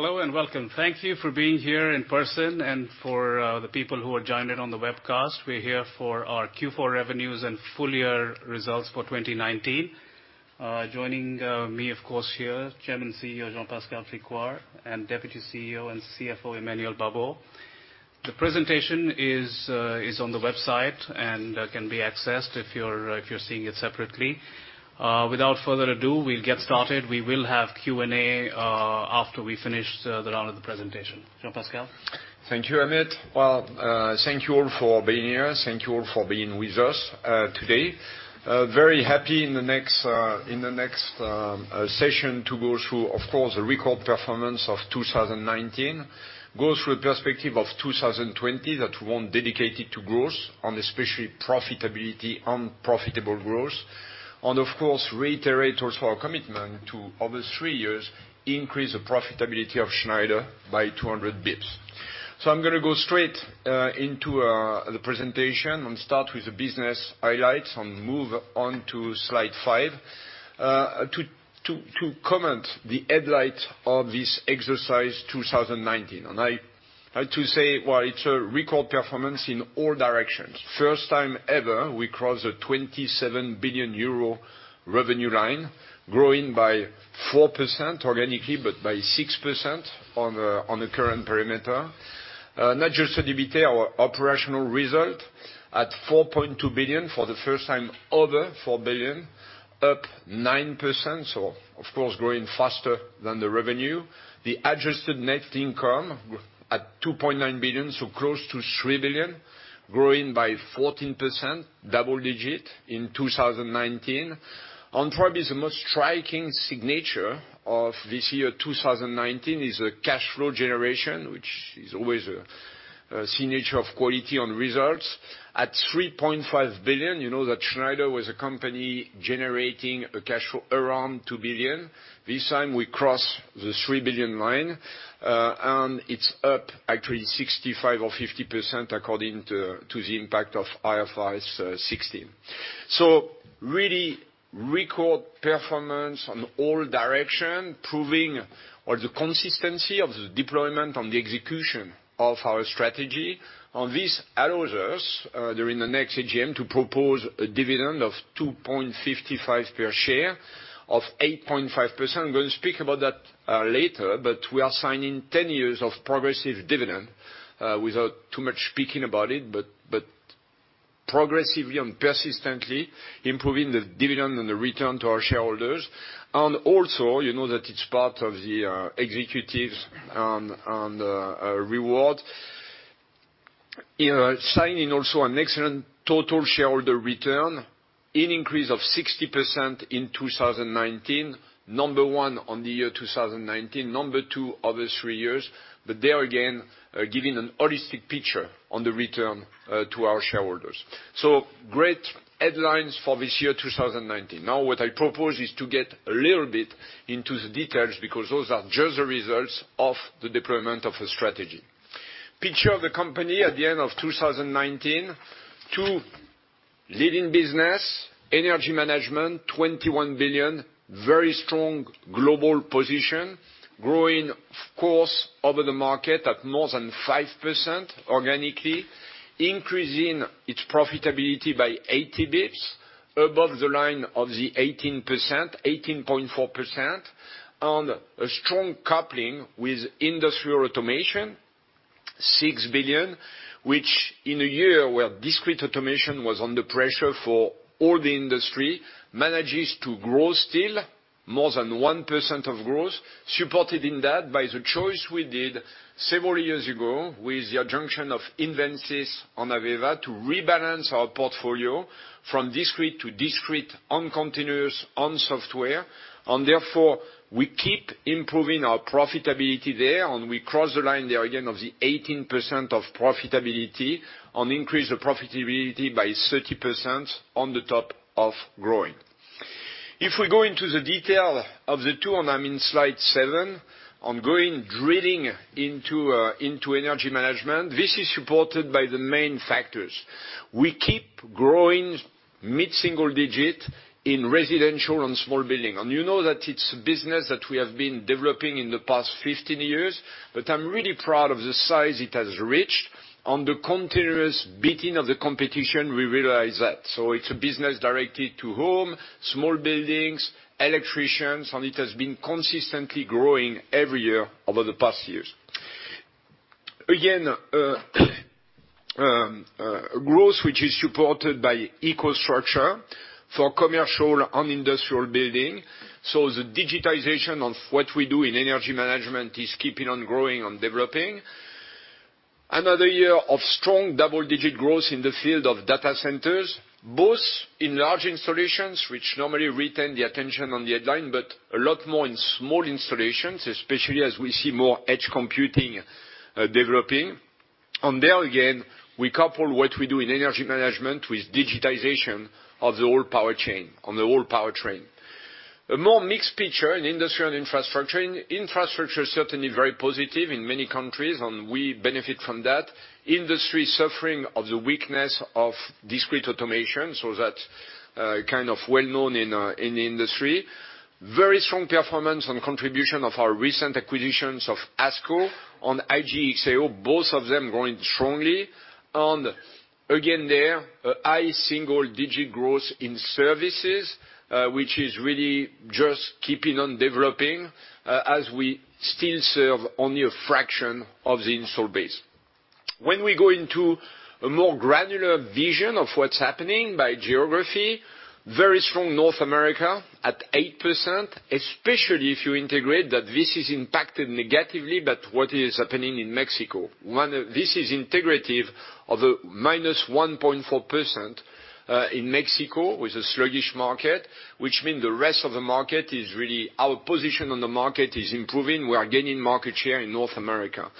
Hello, and welcome. Thank you for being here in person and for the people who are joined in on the webcast. We're here for our Q4 revenues and full-year results for 2019. Joining me, of course, here, Chairman and CEO, Jean-Pascal Tricoire, and Deputy CEO and CFO, Emmanuel Babeau. The presentation is on the website and can be accessed if you're seeing it separately. Without further ado, we'll get started. We will have Q&A after we finish the round of the presentation. Jean-Pascal? Thank you, Amit. Thank you all for being here. Thank you all for being with us today. Very happy in the next session to go through, of course, the record performance of 2019, go through the perspective of 2020 that we want dedicated to growth and especially profitability and profitable growth. Of course, reiterate also our commitment to over three years, increase the profitability of Schneider by 200 basis points. I'm going to go straight into the presentation and start with the business highlights and move on to slide five. To comment the headline of this exercise 2019, I have to say, it's a record performance in all directions. First time ever, we crossed a 27 billion euro revenue line, growing by 4% organically, but by 6% on the current perimeter. Adjusted EBITA, our operational result, at 4.2 billion for the first time over 4 billion, up 9%. Of course, growing faster than the revenue. The adjusted net income at 2.9 billion, close to 3 billion, growing by 14%, double digit in 2019. Probably the most striking signature of this year 2019 is the cash flow generation, which is always a signature of quality on results. At 3.5 billion, you know that Schneider was a company generating a cash flow around 2 billion. This time we crossed the 3 billion line. It's up actually 65% or 50% according to the impact of IFRS 16. Really record performance on all direction, proving the consistency of the deployment and the execution of our strategy. This allows us, during the next AGM, to propose a dividend of 2.55 per share of 8.5%. I'm going to speak about that later, but we are signing 10 years of progressive dividend without too much speaking about it, but progressively and persistently improving the dividend and the return to our shareholders. Also, you know that it's part of the executives on reward. Signing also an excellent total shareholder return, an increase of 60% in 2019. Number one on the year 2019, number two over three years. There again, giving an holistic picture on the return to our shareholders. Great headlines for this year 2019. Now what I propose is to get a little bit into the details because those are just the results of the deployment of a strategy. Picture of the company at the end of 2019, two leading businesses, energy management, 21 billion, very strong global position, growing, of course, over the market at more than 5% organically, increasing its profitability by 80 basis points above the line of the 18%, 18.4%, and a strong coupling with industrial automation, 6 billion, which in a year where discrete automation was under pressure for all the industry, manages to grow still more than 1% of growth, supported in that by the choice we did several years ago with the junction of Invensys and AVEVA to rebalance our portfolio from discrete to discrete and continuous and software, and therefore, we keep improving our profitability there, and we cross the line there again of the 18% of profitability and increase the profitability by 30% on the top of growing. If we go into the detail of the two, I'm in slide seven, on going drilling into energy management. This is supported by the main factors. We keep growing mid-single digit in residential and small building. You know that it's a business that we have been developing in the past 15 years, but I'm really proud of the size it has reached, and the continuous beating of the competition, we realize that. It's a business directed to home, small buildings, electricians, and it has been consistently growing every year over the past years. Again, growth, which is supported by EcoStruxure for commercial and industrial building. The digitization of what we do in energy management is keeping on growing and developing. Another year of strong double-digit growth in the field of data centers, both in large installations, which normally retain the attention on the headline, but a lot more in small installations, especially as we see more edge computing developing. There again, we couple what we do in energy management with digitization of the whole power chain and the whole powertrain. A more mixed picture in industry and infrastructure. Infrastructure is certainly very positive in many countries, and we benefit from that. Industry suffering of the weakness of discrete automation, so that kind of well-known in the industry. Very strong performance on contribution of our recent acquisitions of ASCO on IGE+XAO, both of them growing strongly. Again there, a high single-digit growth in services, which is really just keeping on developing as we still serve only a fraction of the install base. When we go into a more granular vision of what's happening by geography, very strong North America at 8%, especially if you integrate that this is impacted negatively by what is happening in Mexico. This is integrative of a -1.4% in Mexico, with a sluggish market, which mean our position on the market is improving. We are gaining market share in North America.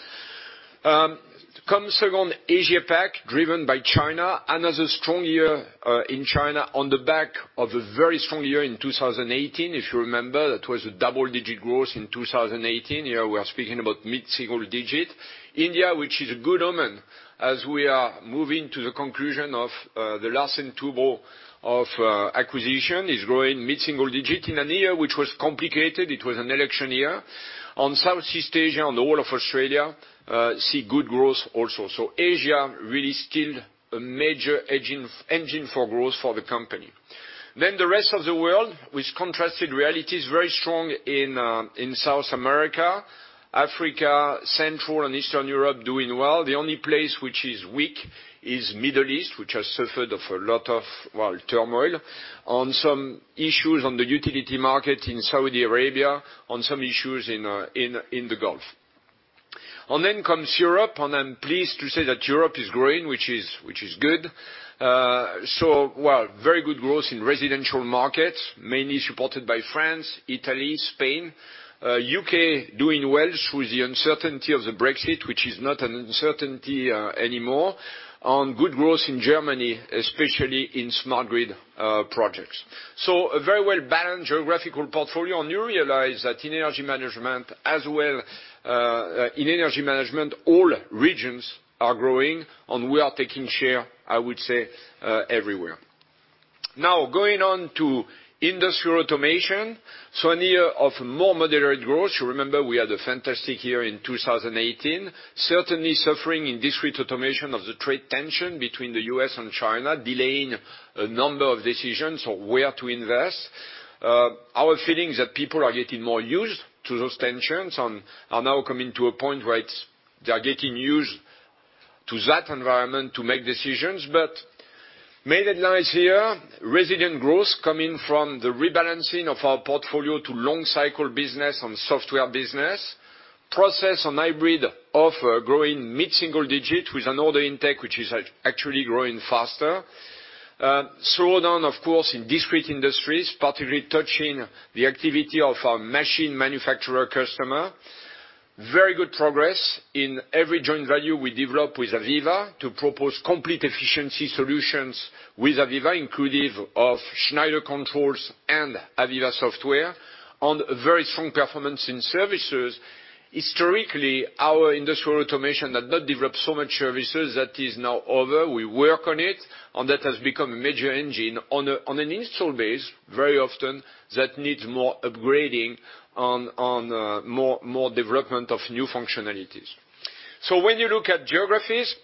Comes second Asia Pac, driven by China. Another strong year in China on the back of a very strong year in 2018. If you remember, that was a double-digit growth in 2018. Here, we are speaking about mid-single digit. India, which is a good omen as we are moving to the conclusion of the Larsen & Toubro acquisition, is growing mid-single digit in a year which was complicated. It was an election year. On Southeast Asia and the whole of Australia, see good growth also. Asia really still a major engine for growth for the company. The rest of the world with contrasted realities, very strong in South America, Africa, Central and Eastern Europe doing well. The only place which is weak is Middle East, which has suffered of a lot of turmoil on some issues on the utility market in Saudi Arabia, on some issues in the Gulf. Comes Europe, I'm pleased to say that Europe is growing, which is good. Very good growth in residential markets, mainly supported by France, Italy, Spain. U.K. doing well through the uncertainty of the Brexit, which is not an uncertainty anymore. Good growth in Germany, especially in smart grid projects. A very well-balanced geographical portfolio, you realize that in energy management, all regions are growing, and we are taking share, I would say, everywhere. Going on to industrial automation, a year of more moderate growth. You remember we had a fantastic year in 2018. Certainly suffering in discrete automation of the trade tension between the U.S. and China, delaying a number of decisions on where to invest. Our feeling is that people are getting more used to those tensions and are now coming to a point where they are getting used to that environment to make decisions. Made it nice year. Resilient growth coming from the rebalancing of our portfolio to long cycle business and software business. Process and hybrid of growing mid-single digit with an order intake which is actually growing faster. Slowdown, of course, in discrete industries, particularly touching the activity of our machine manufacturer customer. Very good progress in every joint value we develop with AVEVA to propose complete efficiency solutions with AVEVA, inclusive of Schneider controls and AVEVA software. Very strong performance in services, historically, our industrial automation had not developed so much services. That is now over. We work on it, and that has become a major engine on an install base very often that needs more upgrading on more development of new functionalities. When you look at geographies,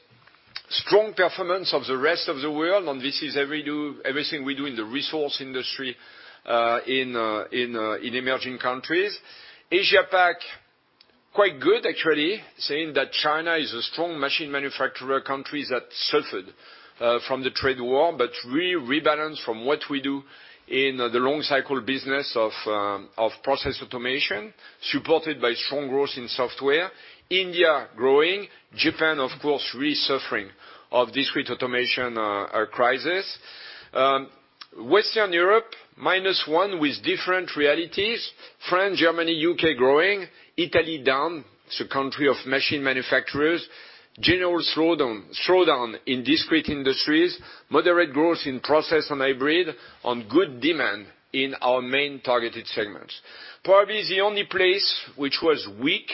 strong performance of the rest of the world, and this is everything we do in the resource industry in emerging countries. Asia Pac, quite good actually, saying that China is a strong machine manufacturer country that suffered from the trade war. We rebalance from what we do in the long cycle business of process automation, supported by strong growth in software. India growing. Japan, of course, really suffering of discrete automation crisis. Western Europe, minus one with different realities. France, Germany, U.K. growing. Italy down. It's a country of machine manufacturers. General slowdown in discrete industries, moderate growth in process and hybrid, and good demand in our main targeted segments. Probably the only place which was weak,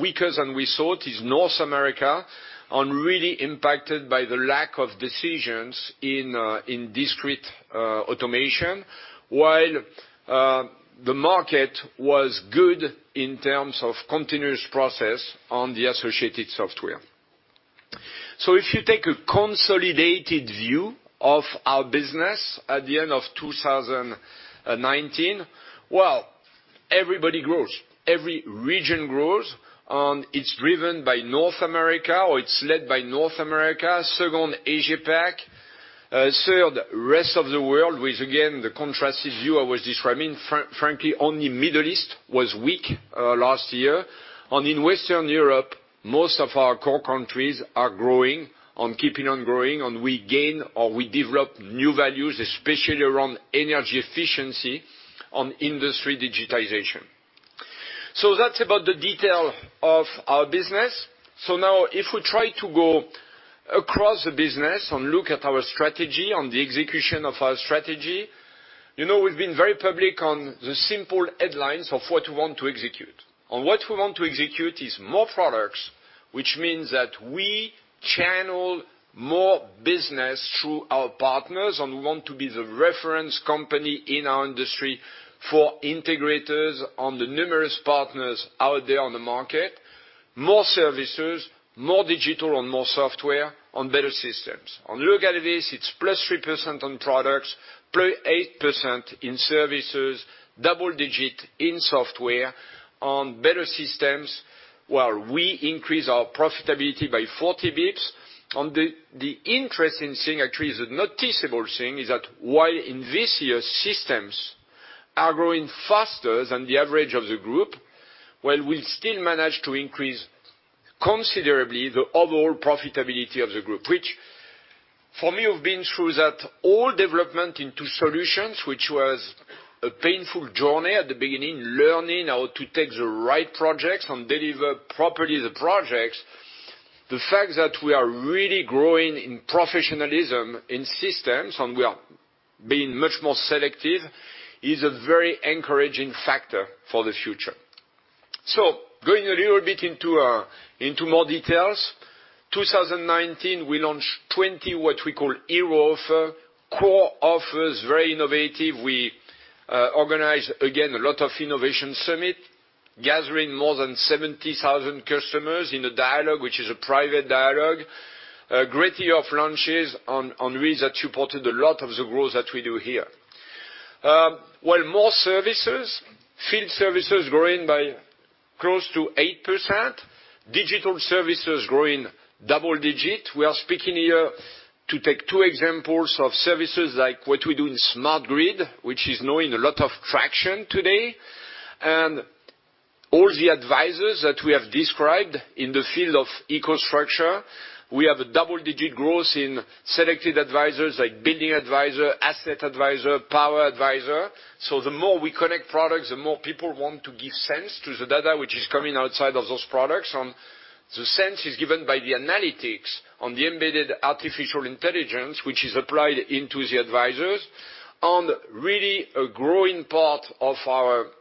weaker than we thought, is North America, and really impacted by the lack of decisions in discrete automation, while the market was good in terms of continuous process on the associated software. If you take a consolidated view of our business at the end of 2019, well, everybody grows. Every region grows, it's driven by North America, or it's led by North America. Second, Asia Pac. Third, rest of the world, with again, the contrasted view I was describing. Frankly, only Middle East was weak last year. In Western Europe, most of our core countries are growing and keeping on growing, and we gain or we develop new values, especially around energy efficiency and industry digitization. That's about the detail of our business. If we try to go across the business and look at our strategy and the execution of our strategy, you know we've been very public on the simple headlines of what we want to execute. What we want to execute is more productsWhich means that we channel more business through our partners, and we want to be the reference company in our industry for integrators and the numerous partners out there on the market. More services, more digital and more software and better systems. Look at this, it's +3% on products, +8% in services, double digit in software on better systems, while we increase our profitability by 40 basis points. The interesting thing actually, is a noticeable thing, is that while in this year's systems are growing faster than the average of the group, while we still manage to increase considerably the overall profitability of the group. Which for me, who have been through that all development into solutions, which was a painful journey at the beginning, learning how to take the right projects and deliver properly the projects. The fact that we are really growing in professionalism in systems, and we are being much more selective, is a very encouraging factor for the future. Going a little bit into more details. 2019, we launched 20, what we call ETO offer, core offers, very innovative. We organized, again, a lot of Innovation Summit, gathering more than 70,000 customers in a dialogue, which is a private dialogue. A great year of launches, which supported a lot of the growth that we do here. While more services, field services growing by close to 8%, digital services growing double-digit. We are speaking here to take two examples of services like what we do in smart grid, which is knowing a lot of traction today, and all the advisors that we have described in the field of EcoStruxure. We have a double-digit growth in selected advisors like Building Advisor, Asset Advisor, Power Advisor. The more we connect products, the more people want to give sense to the data which is coming outside of those products. The sense is given by the analytics on the embedded artificial intelligence, which is applied into the advisors. Really a growing part of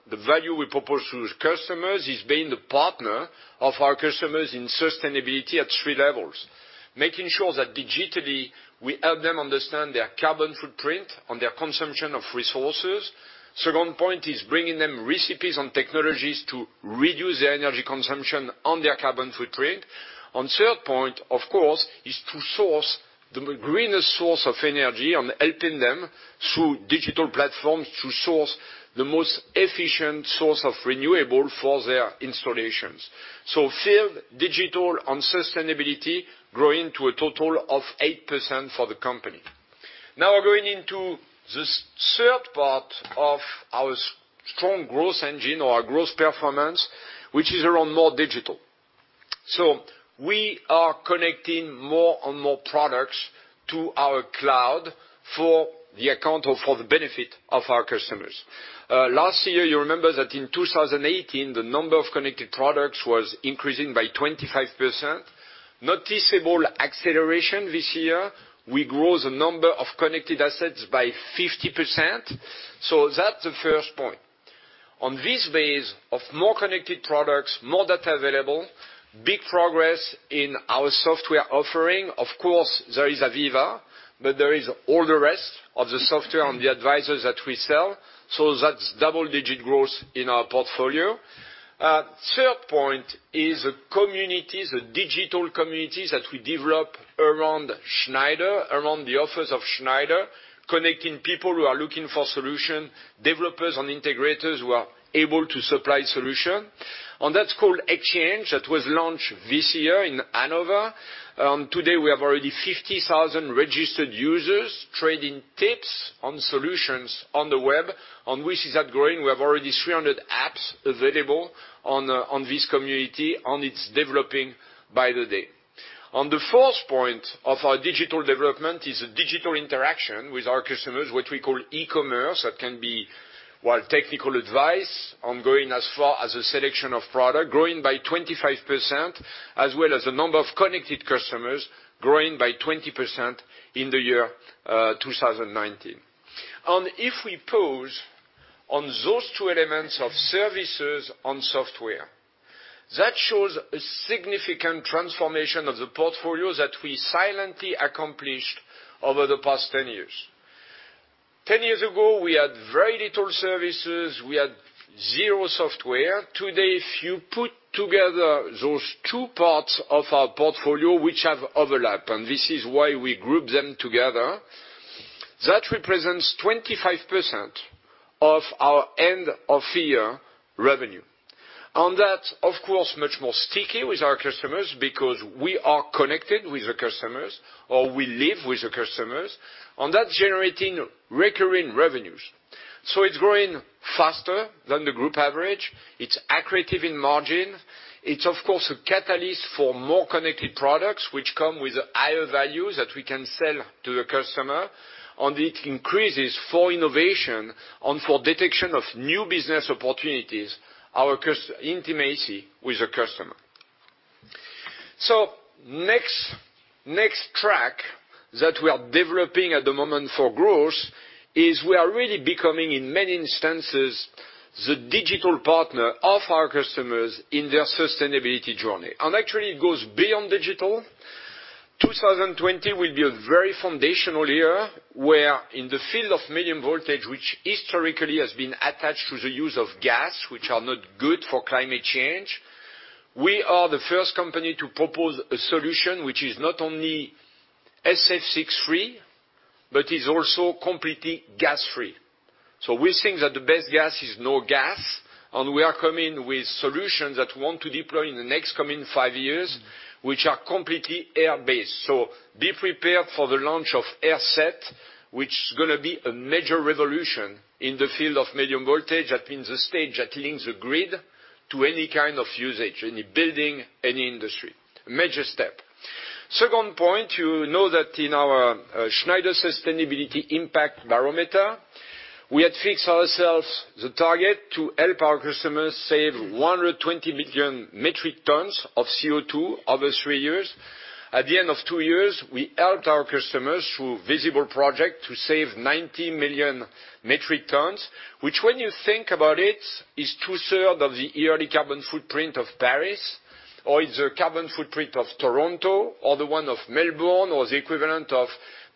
the value we propose to the customers is being the partner of our customers in sustainability at three levels. Making sure that digitally we help them understand their carbon footprint on their consumption of resources. Second point is bringing them recipes and technologies to reduce their energy consumption on their carbon footprint. Third point, of course, is to source the greenest source of energy and helping them through digital platforms to source the most efficient source of renewable for their installations. Field, digital, and sustainability growing to a total of 8% for the company. We're going into this third part of our strong growth engine or our growth performance, which is around more digital. We are connecting more and more products to our cloud for the account or for the benefit of our customers. Last year, you remember that in 2018, the number of connected products was increasing by 25%. Noticeable acceleration this year. We grow the number of connected assets by 50%. That's the first point. On this base of more connected products, more data available, big progress in our software offering, of course, there is AVEVA, but there is all the rest of the software and the advisors that we sell. That's double-digit growth in our portfolio. Third point is the communities, the digital communities that we develop around Schneider, around the office of Schneider, connecting people who are looking for solution, developers and integrators who are able to supply solution. That's called Exchange. That was launched this year in Hanover, and today we have already 50,000 registered users trading tips on solutions on the web, and which is outgrowing. We have already 300 apps available on this community, and it's developing by the day. The fourth point of our digital development is a digital interaction with our customers, which we call e-commerce. That can be technical advice on going as far as a selection of product growing by 25%, as well as the number of connected customers growing by 20% in the year 2019. If we pause on those two elements of services on software, that shows a significant transformation of the portfolio that we silently accomplished over the past 10 years. 10 years ago, we had very little services, we had zero software. Today, if you put together those two parts of our portfolio, which have overlap, and this is why we group them together, that represents 25% of our end of year revenue. That, of course, much more sticky with our customers because we are connected with the customers, or we live with the customers, and that's generating recurring revenues. It's growing faster than the group average. It's accretive in margin. It's of course, a catalyst for more connected products which come with higher values that we can sell to the customer, and it increases for innovation and for detection of new business opportunities, our intimacy with the customer. Next track that we are developing at the moment for growth is we are really becoming, in many instances, the digital partner of our customers in their sustainability journey. Actually, it goes beyond digital. 2020 will be a very foundational year where in the field of medium voltage, which historically has been attached to the use of gas, which are not good for climate change, we are the first company to propose a solution which is not only SF6-free, but is also completely gas-free. We think that the best gas is no gas, and we are coming with solutions that we want to deploy in the next coming five years, which are completely air-based. Be prepared for the launch of AirSeT, which is going to be a major revolution in the field of medium voltage, that means the stage that links the grid to any kind of usage, any building, any industry. Major step. Second point, you know that in our Schneider Sustainability Impact, we had fixed ourselves the target to help our customers save 120 million metric tons of CO2 over three years. At the end of two years, we helped our customers through visible project to save 90 million metric tons, which when you think about it, is two-third of the yearly carbon footprint of Paris, or it's the carbon footprint of Toronto or the one of Melbourne or the equivalent of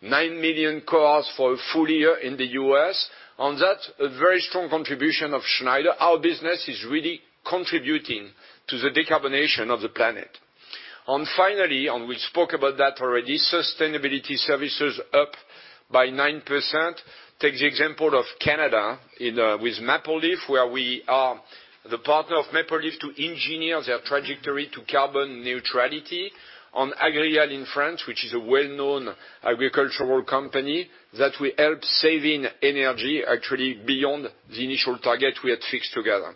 9 million cars for a full year in the U.S. On that, a very strong contribution of Schneider. Our business is really contributing to the decarbonation of the planet. Finally, we spoke about that already, sustainability services up by 9%. Take the example of Canada, with Maple Leaf, where we are the partner of Maple Leaf to engineer their trajectory to carbon neutrality. On Agrial in France, which is a well-known agricultural company that we help saving energy, actually beyond the initial target we had fixed together.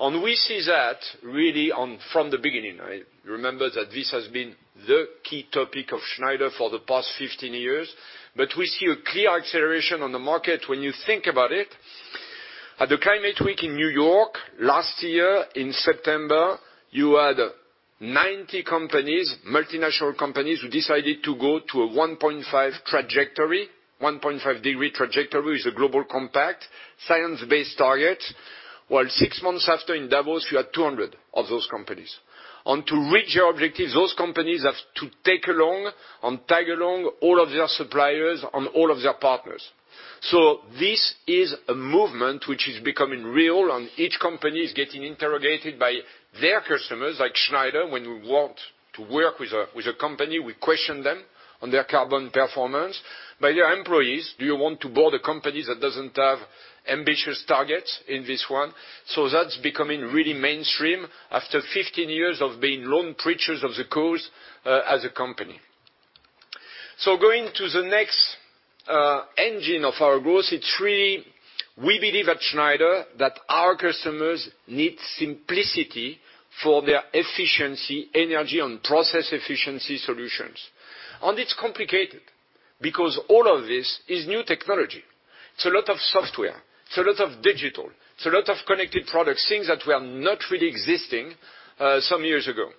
We see that really from the beginning. Remember that this has been the key topic of Schneider for the past 15 years, but we see a clear acceleration on the market when you think about it. At the Climate Week in New York last year in September, you had 90 companies, multinational companies, who decided to go to a 1.5 degree trajectory with the Global Compact, science-based target, while six months after in Davos, we had 200 of those companies. To reach their objectives, those companies have to take along and tag along all of their suppliers and all of their partners. This is a movement which is becoming real, and each company is getting interrogated by their customers, like Schneider, when we want to work with a company, we question them on their carbon performance. By their employees, do you want to board a company that doesn't have ambitious targets in this one? That's becoming really mainstream after 15 years of being lone preachers of the cause as a company. Going to the next engine of our growth, it's really, we believe at Schneider that our customers need simplicity for their efficiency, energy, and process efficiency solutions. It's complicated because all of this is new technology. It's a lot of software, it's a lot of digital, it's a lot of connected products, things that were not really existing some years ago.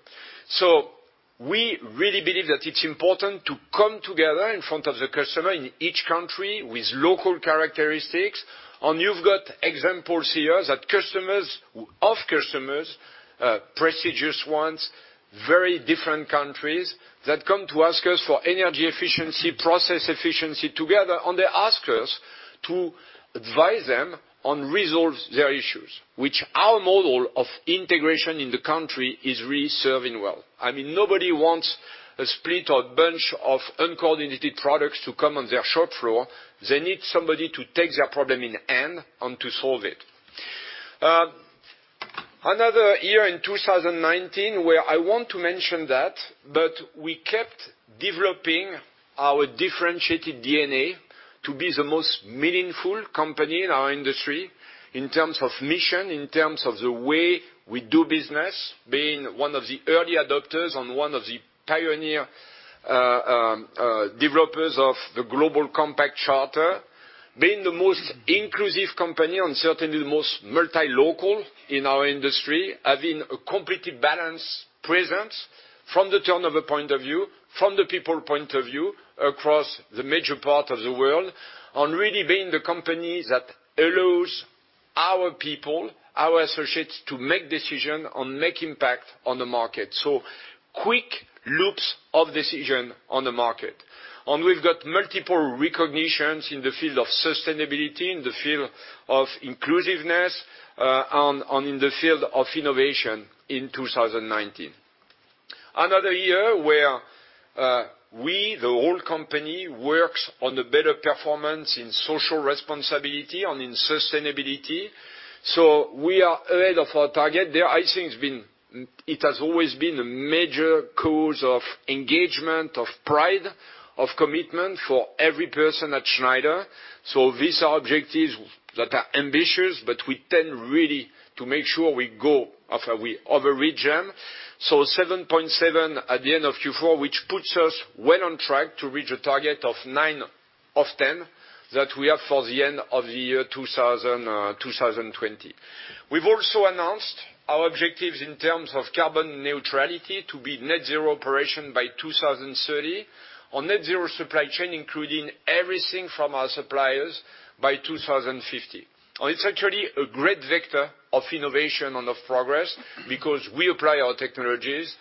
We really believe that it's important to come together in front of the customer in each country with local characteristics, and you've got examples here that customers of customers, prestigious ones, very different countries, that come to us for energy efficiency, process efficiency together, and they ask us to advise them and resolve their issues, which our model of integration in the country is really serving well. Nobody wants a split or bunch of uncoordinated products to come on their shop floor. They need somebody to take their problem in hand and to solve it. Another year in 2019 where I want to mention that, but we kept developing our differentiated DNA to be the most meaningful company in our industry in terms of mission, in terms of the way we do business, being one of the early adopters and one of the pioneer developers of the Global Compact Charter, being the most inclusive company and certainly the most multi-local in our industry, having a completely balanced presence from the turnover point of view, from the people point of view, across the major part of the world, and really being the company that allows our people, our associates, to make decision and make impact on the market. Quick loops of decision on the market. We've got multiple recognitions in the field of sustainability, in the field of inclusiveness, and in the field of innovation in 2019. Another year where we, the whole company, works on the better performance in social responsibility and in sustainability. We are ahead of our target there. I think it has always been a major cause of engagement, of pride, of commitment for every person at Schneider. These are objectives that are ambitious, but we tend really to make sure we go after we overreach them. 7.7 at the end of Q4, which puts us well on track to reach a target of 9 of 10 that we have for the end of the year 2020. We've also announced our objectives in terms of carbon neutrality to be net zero operation by 2030, or net zero supply chain, including everything from our suppliers, by 2050. It's actually a great vector of innovation and of progress because we apply our technologies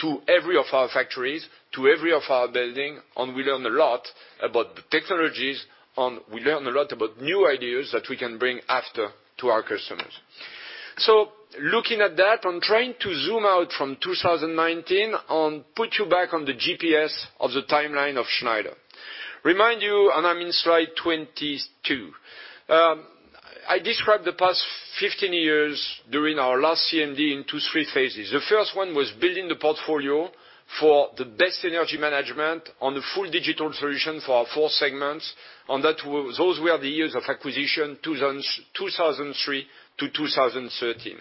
to every one of our factories, to every one of our buildings, and we learn a lot about the technologies, and we learn a lot about new ideas that we can bring after to our customers. Looking at that, I'm trying to zoom out from 2019 and put you back on the GPS of the timeline of Schneider. Remind you, I'm in slide 22. I described the past 15 years during our last CMD into three phases. The first one was building the portfolio for the best energy management on the full digital solution for our four segments. Those were the years of acquisition, 2003 to 2013.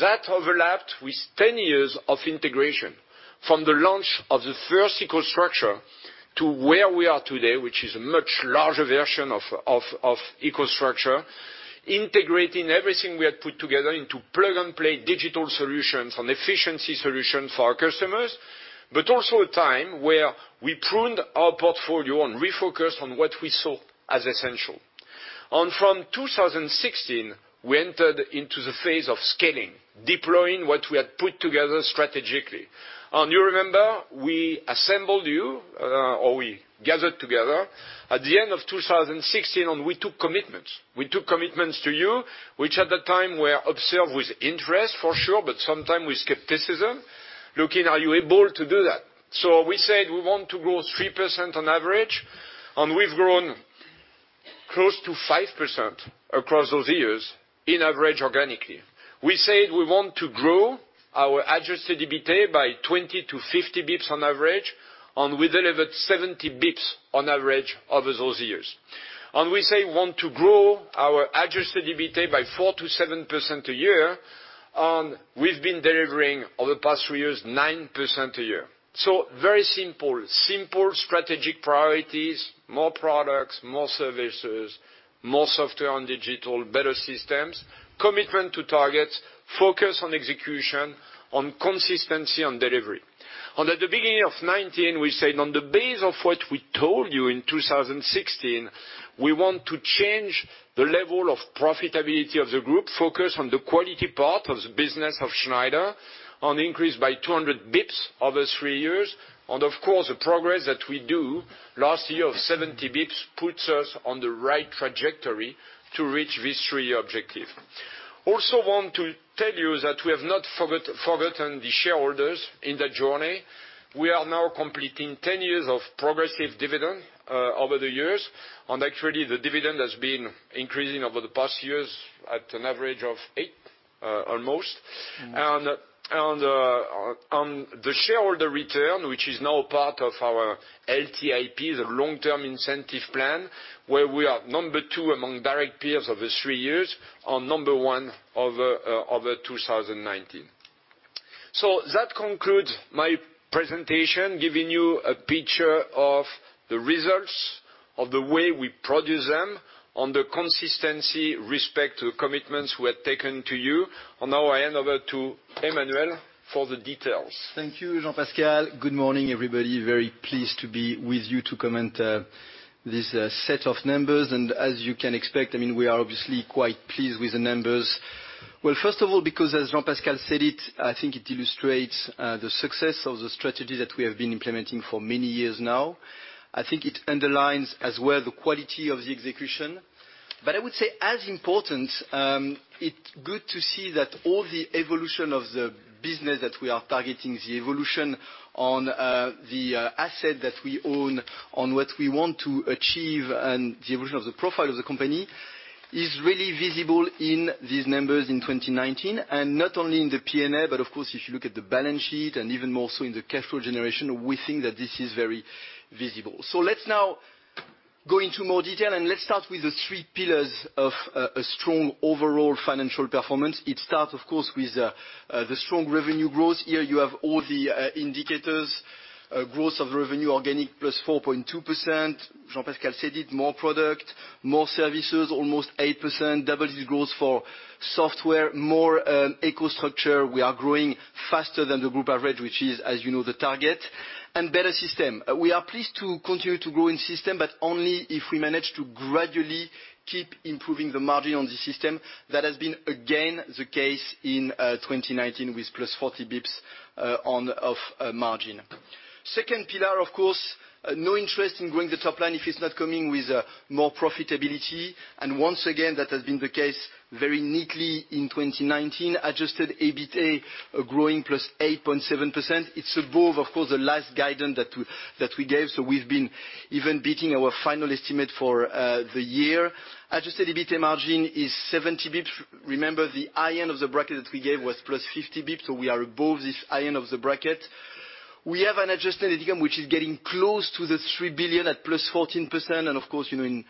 That overlapped with 10 years of integration from the launch of the first EcoStruxure to where we are today, which is a much larger version of EcoStruxure, integrating everything we had put together into plug-and-play digital solutions and efficiency solutions for our customers. Also a time where we pruned our portfolio and refocused on what we saw as essential. From 2016, we entered into the phase of scaling, deploying what we had put together strategically. You remember, we assembled you, or we gathered together at the end of 2016. We took commitments. We took commitments to you, which at the time were observed with interest, for sure, sometimes with skepticism, looking, are you able to do that? We said we want to grow 3% on average. We've grown close to 5% across those years on average organically. We said we want to grow our adjusted EBITA by 20-50 basis points on average, and we delivered 70 basis points on average over those years. We say, want to grow our adjusted EBITA by 4%-7% a year, and we've been delivering over the past three years, 9% a year. Very simple. Simple strategic priorities, more products, more services, more software and digital, better systems, commitment to targets, focus on execution, on consistency, on delivery. At the beginning of 2019, we said on the base of what we told you in 2016, we want to change the level of profitability of the group, focus on the quality part of the business of Schneider, and increase by 200 basis points over three years. Of course, the progress that we do last year of 70 basis points puts us on the right trajectory to reach this three-year objective. Also want to tell you that we have not forgotten the shareholders in the journey. We are now completing 10 years of progressive dividend over the years. Actually, the dividend has been increasing over the past years at an average of eight, almost. On the shareholder return, which is now part of our LTIP, the long-term incentive plan, where we are number two among direct peers over three years, and number one over 2019. That concludes my presentation, giving you a picture of the results, of the way we produce them, on the consistency, respect to commitments we have taken to you. Now I hand over to Emmanuel for the details. Thank you, Jean-Pascal. Good morning, everybody. Very pleased to be with you to comment this set of numbers. As you can expect, we are obviously quite pleased with the numbers. Well, first of all, because as Jean-Pascal said it, I think it illustrates the success of the strategy that we have been implementing for many years now. I think it underlines as well the quality of the execution. I would say as important, it's good to see that all the evolution of the business that we are targeting, the evolution on the asset that we own on what we want to achieve, and the evolution of the profile of the company is really visible in these numbers in 2019. Not only in the P&L, but of course, if you look at the balance sheet and even more so in the cash flow generation, we think that this is very visible. Let's now go into more detail, and let's start with the three pillars of a strong overall financial performance. It starts, of course, with the strong revenue growth. Here you have all the indicators, growth of revenue organic +4.2%. Jean-Pascal said it, more product, more services, almost 8%, double-digit growth for software, more EcoStruxure. We are growing faster than the group average, which is, as you know, the target. Better System. We are pleased to continue to grow in System, but only if we manage to gradually keep improving the margin on the System. That has been, again, the case in 2019 with plus 40 basis points of margin. Second pillar, of course, no interest in growing the top line if it's not coming with more profitability. Once again, that has been the case very neatly in 2019. Adjusted EBITA growing +8.7%. It's above, of course, the last guidance that we gave, so we've been even beating our final estimate for the year. Adjusted EBITA margin is 70 basis points. Remember, the high end of the bracket that we gave was +50 basis points, so we are above this high end of the bracket. We have an adjusted income, which is getting close to the 3 billion at +14%. Of course, in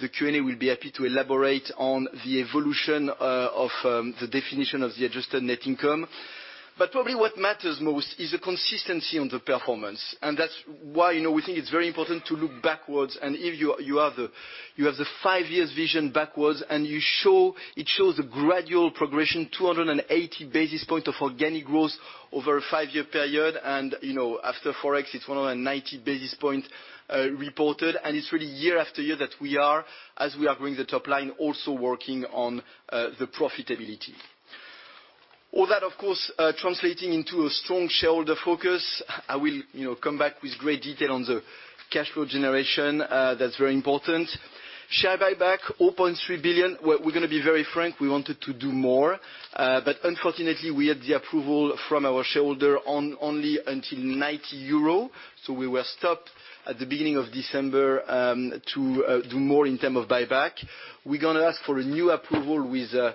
the Q&A, we'll be happy to elaborate on the evolution of the definition of the adjusted net income. Probably what matters most is the consistency on the performance. That's why we think it's very important to look backwards, here you have the five years vision backwards, it shows a gradual progression, 280 basis points of organic growth over a five-year period. After Forex, it's 190 basis points reported. It's really year after year that we are, as we are growing the top line, also working on the profitability. All that, of course, translating into a strong shareholder focus. I will come back with great detail on the cash flow generation. That's very important. Share buyback, 4.3 billion. We're going to be very frank, we wanted to do more. Unfortunately, we had the approval from our shareholder on only until 90 euro. We were stopped at the beginning of December to do more in term of buyback. We're going to ask for a new approval with a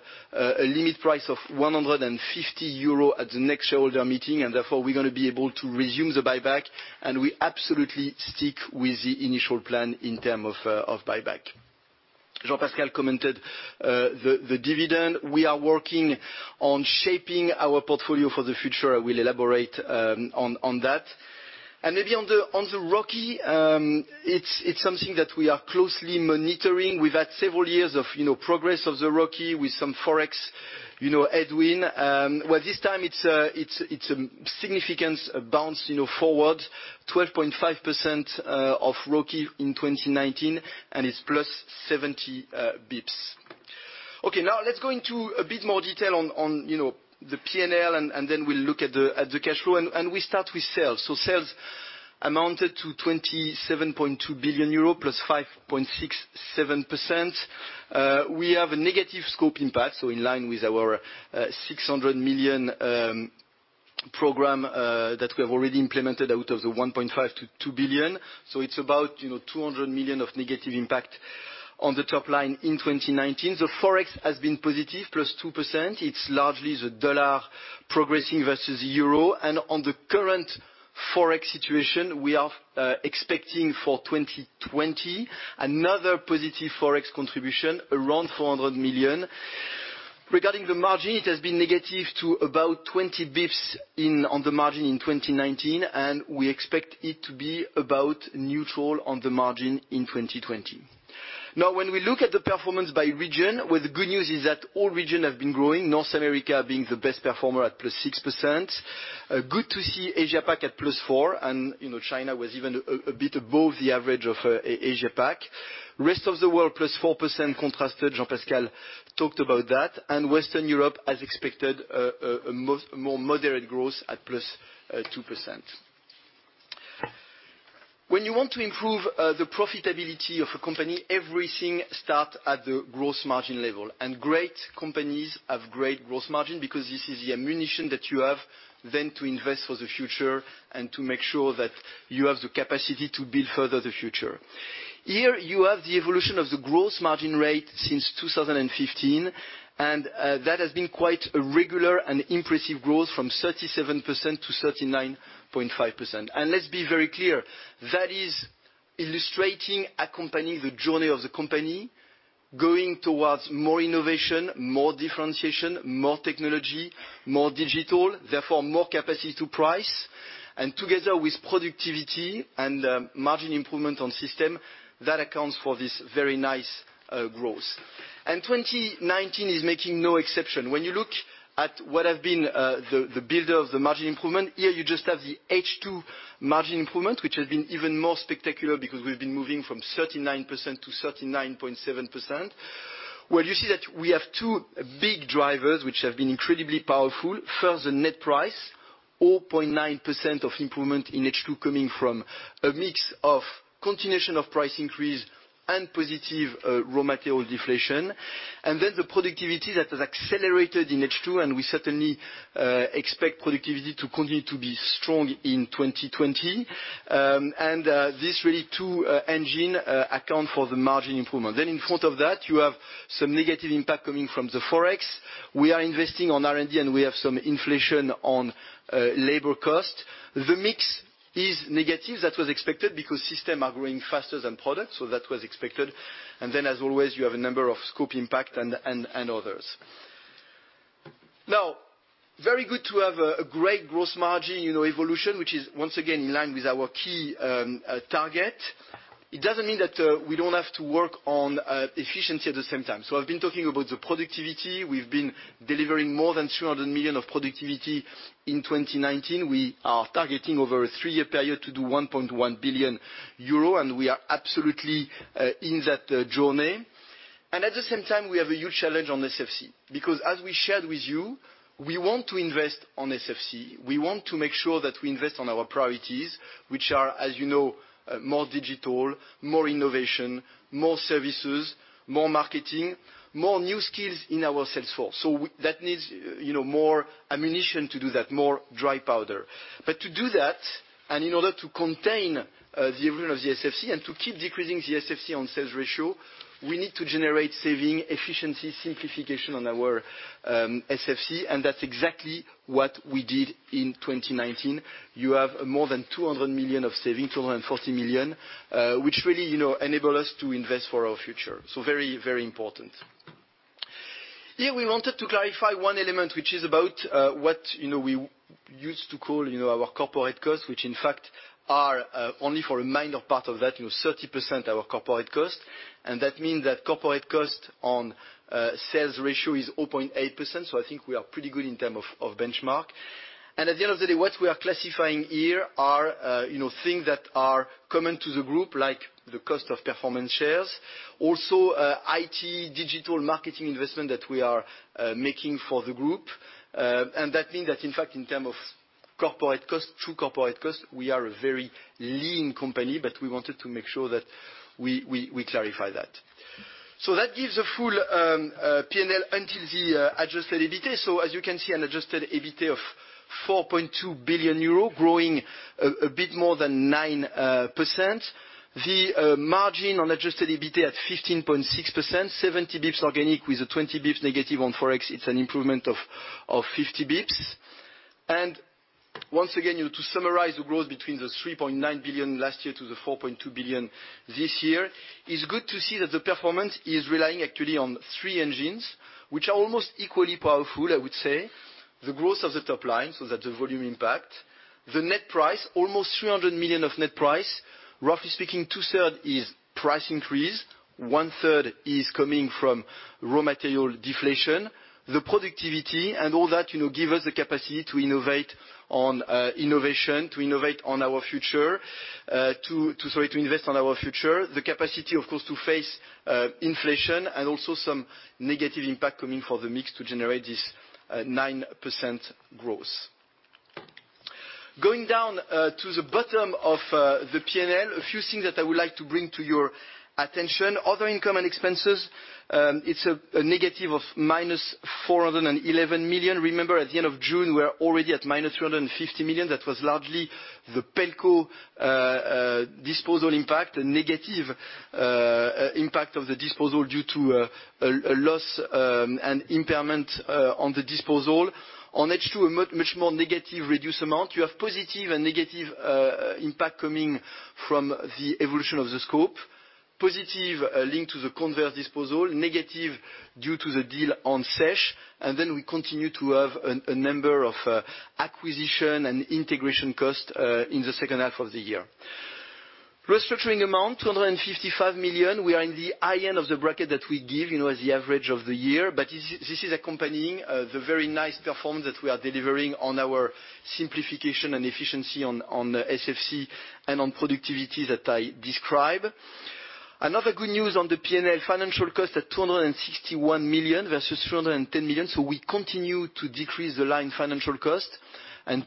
limit price of 150 euro at the next shareholder meeting, and therefore, we're going to be able to resume the buyback, and we absolutely stick with the initial plan in term of buyback. Jean-Pascal commented the dividend. We are working on shaping our portfolio for the future. I will elaborate on that. Maybe on the ROCE, it's something that we are closely monitoring. We've had several years of progress of the ROCE with some Forex headwind. Well, this time it's a significant bounce forward, 12.5% of ROCE in 2019, and it's +70 basis points. Okay, now let's go into a bit more detail on the P&L, and then we'll look at the cash flow. We start with sales. Sales amounted to 27.2 billion euro, +5.67%. We have a negative scope impact, in line with our 600 million program that we have already implemented out of the 1.5 billion-2 billion. It's about 200 million of negative impact on the top line in 2019. The Forex has been positive, +2%. It's largely the USD progressing versus EUR. On the current Forex situation, we are expecting for 2020 another positive Forex contribution around 400 million. Regarding the margin, it has been negative to about 20 basis points on the margin in 2019, and we expect it to be about neutral on the margin in 2020. When we look at the performance by region, well, the good news is that all region have been growing, North America being the best performer at +6%. Good to see Asia Pac at +4%, China was even a bit above the average of Asia Pac. Rest of the world, +4% contrasted. Jean-Pascal talked about that. Western Europe, as expected, a more moderate growth at +2%. When you want to improve the profitability of a company, everything start at the gross margin level. Great companies have great gross margin because this is the ammunition that you have then to invest for the future and to make sure that you have the capacity to build further the future. Here you have the evolution of the gross margin rate since 2015. That has been quite a regular and impressive growth from 37%-39.5%. Let's be very clear, that is illustrating the journey of the company going towards more innovation, more differentiation, more technology, more digital, therefore more capacity to price. Together with productivity and margin improvement on system, that accounts for this very nice growth. 2019 is making no exception. When you look at what have been the builder of the margin improvement, here you just have the H2 margin improvement, which has been even more spectacular because we've been moving from 39%-39.7%, where you see that we have two big drivers, which have been incredibly powerful. First, the net price, 0.9% of improvement in H2 coming from a mix of continuation of price increase and positive raw material deflation. The productivity that has accelerated in H2, and we certainly expect productivity to continue to be strong in 2020. These really two engine account for the margin improvement. In front of that, you have some negative impact coming from the Forex. We are investing on R&D. We have some inflation on labor cost. The mix is negative. That was expected because systems are growing faster than product, so that was expected. As always, you have a number of scope impact and others. Now, very good to have a great gross margin evolution, which is once again in line with our key target. It doesn't mean that we don't have to work on efficiency at the same time. I've been talking about the productivity. We've been delivering more than 300 million of productivity in 2019. We are targeting over a three-year period to do 1.1 billion euro, and we are absolutely in that journey. At the same time, we have a huge challenge on SFC, because as we shared with you, we want to invest on SFC. We want to make sure that we invest on our priorities, which are, as you know, more digital, more innovation, more services, more marketing, more new skills in our sales force. That needs more ammunition to do that, more dry powder. To do that, and in order to contain the evolution of the SFC and to keep decreasing the SFC on sales ratio, we need to generate saving, efficiency, simplification on our SFC, and that's exactly what we did. In 2019, you have more than 200 million of saving, 240 million, which really enable us to invest for our future. Very important. Here we wanted to clarify one element, which is about what we used to call our corporate cost, which in fact are only for a minor part of that, 30% our corporate cost. That mean that corporate cost on sales ratio is 0.8%. I think we are pretty good in terms of benchmark. At the end of the day, what we are classifying here are things that are common to the group, like the cost of performance shares, also IT, digital marketing investment that we are making for the group. That means that in fact in terms of true corporate cost, we are a very lean company, but we wanted to make sure that we clarify that. That gives a full P&L until the adjusted EBITA. As you can see, an adjusted EBITA of 4.2 billion euro growing a bit more than 9%. The margin on adjusted EBITA at 15.6%, 70 basis points organic, with a 20 basis points negative on ForEx, it's an improvement of 50 basis points. Once again, to summarize the growth between 3.9 billion last year to 4.2 billion this year, is good to see that the performance is relying actually on three engines, which are almost equally powerful, I would say, the growth of the top line, so that the volume impact. The net price, almost 300 million of net price, roughly speaking, two-third is price increase. One-third is coming from raw material deflation, the productivity and all that give us the capacity to innovate on innovation, to innovate on our future, to invest on our future. The capacity, of course, to face inflation and also some negative impact coming for the mix to generate this 9% growth. Going down to the bottom of the P&L, a few things that I would like to bring to your attention. Other income and expenses, it's a negative of -411 million. Remember at the end of June, we're already at minus 350 million. That was largely the Pelco disposal impact, a negative impact of the disposal due to a loss, and impairment on the disposal. H2, a much more negative reduced amount. You have positive and negative impact coming from the evolution of the scope, positive link to the convert disposal, negative due to the deal on SES. We continue to have a number of acquisition and integration cost in the second half of the year. Restructuring amount, 255 million. We are in the high end of the bracket that we give as the average of the year. This is accompanying the very nice performance that we are delivering on our simplification and efficiency on SFC and on productivity that I describe. Another good news on the P&L financial cost at 261 million versus 310 million. We continue to decrease the line financial cost.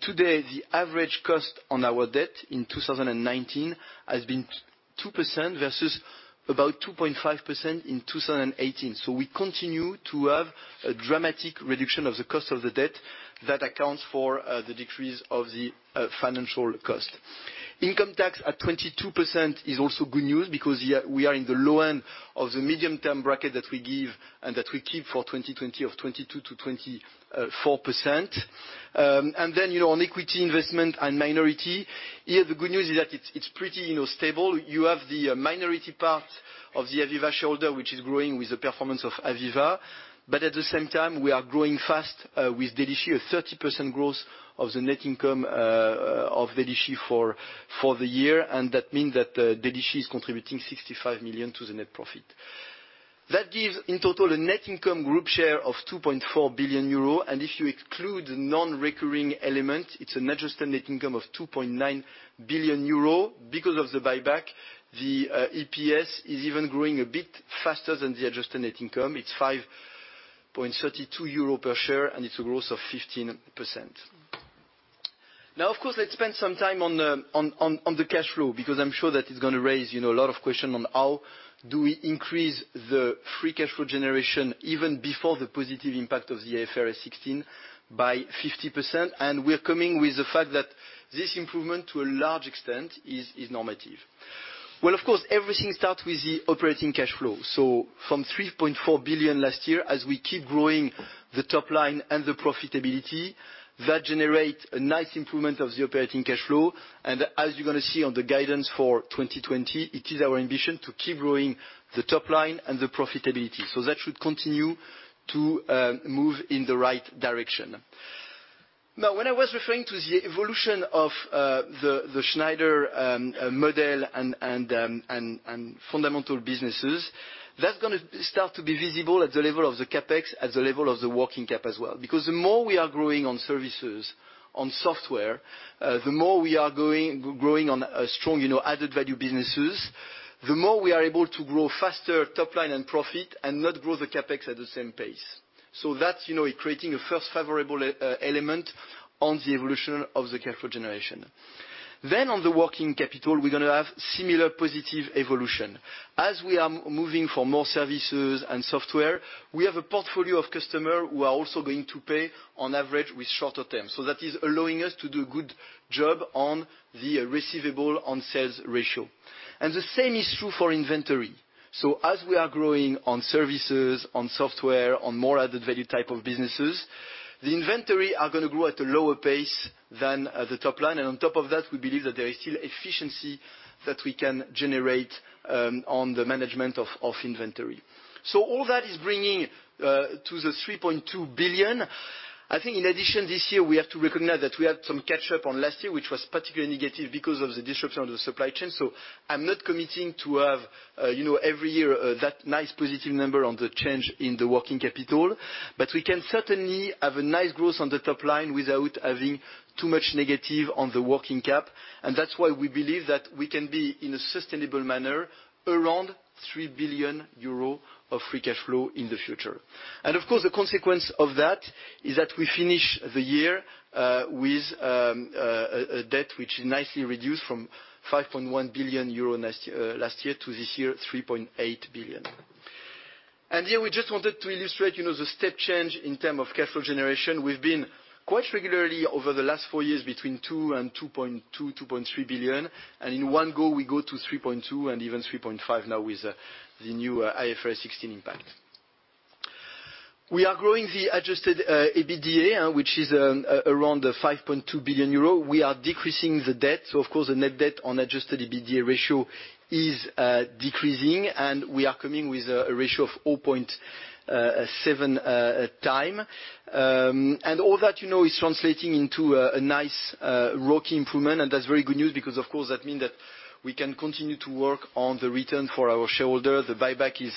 Today, the average cost on our debt in 2019 has been 2% versus about 2.5% in 2018. We continue to have a dramatic reduction of the cost of the debt that accounts for the decrease of the financial cost. Income tax at 22% is also good news because we are in the low end of the medium-term bracket that we give and that we keep for 2020 of 22%-24%. On equity investment and minority, here the good news is that it's pretty stable. You have the minority part of the AVEVA shareholder, which is growing with the performance of AVEVA. At the same time, we are growing fast with Delixi, a 30% growth of the net income of Delixi for the year. That mean that Delixi is contributing 65 million to the net profit. That gives in total a net income group share of 2.4 billion euro. If you exclude the non-recurring element, it's an adjusted net income of 2.9 billion euro. Because of the buyback, the EPS is even growing a bit faster than the adjusted net income. It's 5.32 euro per share, and it's a growth of 15%. Now, of course, let's spend some time on the cash flow, because I'm sure that it's going to raise a lot of question on how do we increase the free cash flow generation even before the positive impact of the IFRS 16 by 50%. We're coming with the fact that this improvement, to a large extent, is normative. Well, of course, everything starts with the operating cash flow. From 3.4 billion last year, as we keep growing the top line and the profitability, that generate a nice improvement of the operating cash flow. As you're going to see on the guidance for 2020, it is our ambition to keep growing the top line and the profitability. That should continue to move in the right direction. Now, when I was referring to the evolution of the Schneider model and fundamental businesses, that's going to start to be visible at the level of the CapEx, at the level of the working cap as well. The more we are growing on services, on software, the more we are growing on strong, added-value businesses, the more we are able to grow faster top line and profit and not grow the CapEx at the same pace. That's creating a first favorable element on the evolution of the cash flow generation. On the working capital, we're going to have similar positive evolution. As we are moving for more services and software, we have a portfolio of customer who are also going to pay on average with shorter terms. That is allowing us to do a good job on the receivable on sales ratio. The same is true for inventory. As we are growing on services, on software, on more added-value type of businesses, the inventory are going to grow at a lower pace than the top line. On top of that, we believe that there is still efficiency that we can generate on the management of inventory. All that is bringing to 3.2 billion. I think in addition, this year, we have to recognize that we had some catch up on last year, which was particularly negative because of the disruption of the supply chain. I'm not committing to have every year that nice positive number on the change in the working capital, but we can certainly have a nice growth on the top line without having too much negative on the working cap. That's why we believe that we can be, in a sustainable manner, around 3 billion euros of free cash flow in the future. Of course, the consequence of that is that we finish the year with a debt which is nicely reduced from 5.1 billion euro last year to this year, 3.8 billion. Here we just wanted to illustrate the step change in terms of cash flow generation. We've been quite regularly over the last four years between 2 billion and 2.2 billion, 2.3 billion, and in one go we go to 3.2 billion and even 3.5 billion now with the new IFRS 16 impact. We are growing the adjusted EBITA, which is around 5.2 billion euros. We are decreasing the debt. Of course, the net debt on adjusted EBITA ratio is decreasing, and we are coming with a ratio of 0.7x. All that is translating into a nice ROCE improvement. That's very good news because of course, that means that we can continue to work on the return for our shareholder. The buyback is,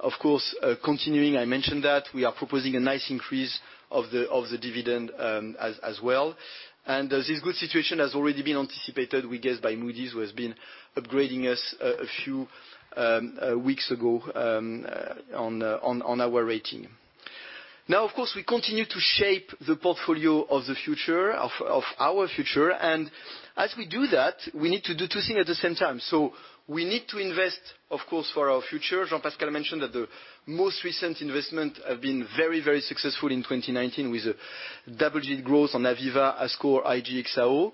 of course, continuing, I mentioned that. We are proposing a nice increase of the dividend as well. This good situation has already been anticipated, we guess, by Moody's, who has been upgrading us a few weeks ago on our rating. Now, of course, we continue to shape the portfolio of our future. As we do that, we need to do two things at the same time. We need to invest, of course, for our future. Jean-Pascal mentioned that the most recent investment have been very successful in 2019 with a double-digit growth on AVEVA, ASCO, IGE+XAO.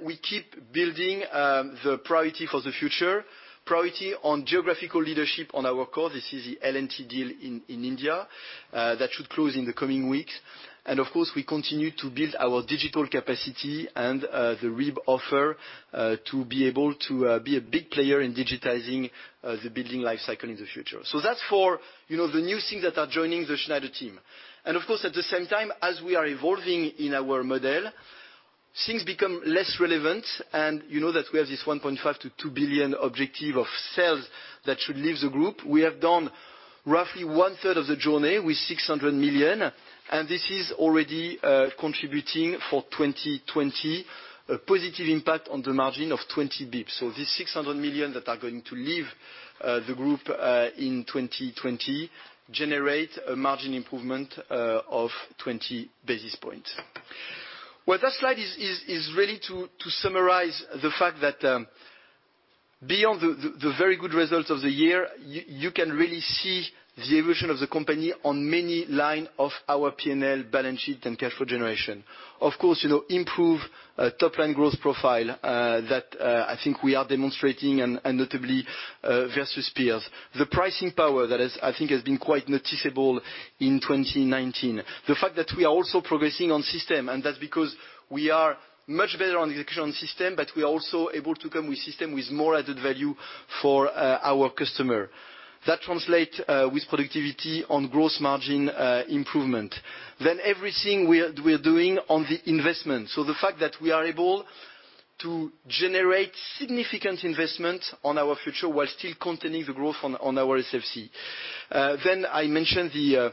We keep building the priority for the future, priority on geographical leadership on our core. This is the L&T deal in India. That should close in the coming weeks. Of course, we continue to build our digital capacity and the RIB offer to be able to be a big player in digitizing the building life cycle in the future. That's for the new things that are joining the Schneider team. Of course, at the same time, as we are evolving in our model, things become less relevant, and you know that we have this 1.5 billion-2 billion objective of sales that should leave the group. We have done roughly one third of the journey with 600 million, and this is already contributing for 2020, a positive impact on the margin of 20 basis points. This 600 million that are going to leave the group in 2020 generate a margin improvement of 20 basis points. That slide is really to summarize the fact that beyond the very good results of the year, you can really see the evolution of the company on many line of our P&L balance sheet and cash flow generation. Of course, improve top line growth profile that I think we are demonstrating and notably versus peers. The pricing power that I think has been quite noticeable in 2019. The fact that we are also progressing on system, and that's because we are much better on execution system, but we are also able to come with system with more added value for our customer. That translate with productivity on gross margin improvement. Everything we are doing on the investment. The fact that we are able to generate significant investment on our future while still containing the growth on our SFC. I mentioned the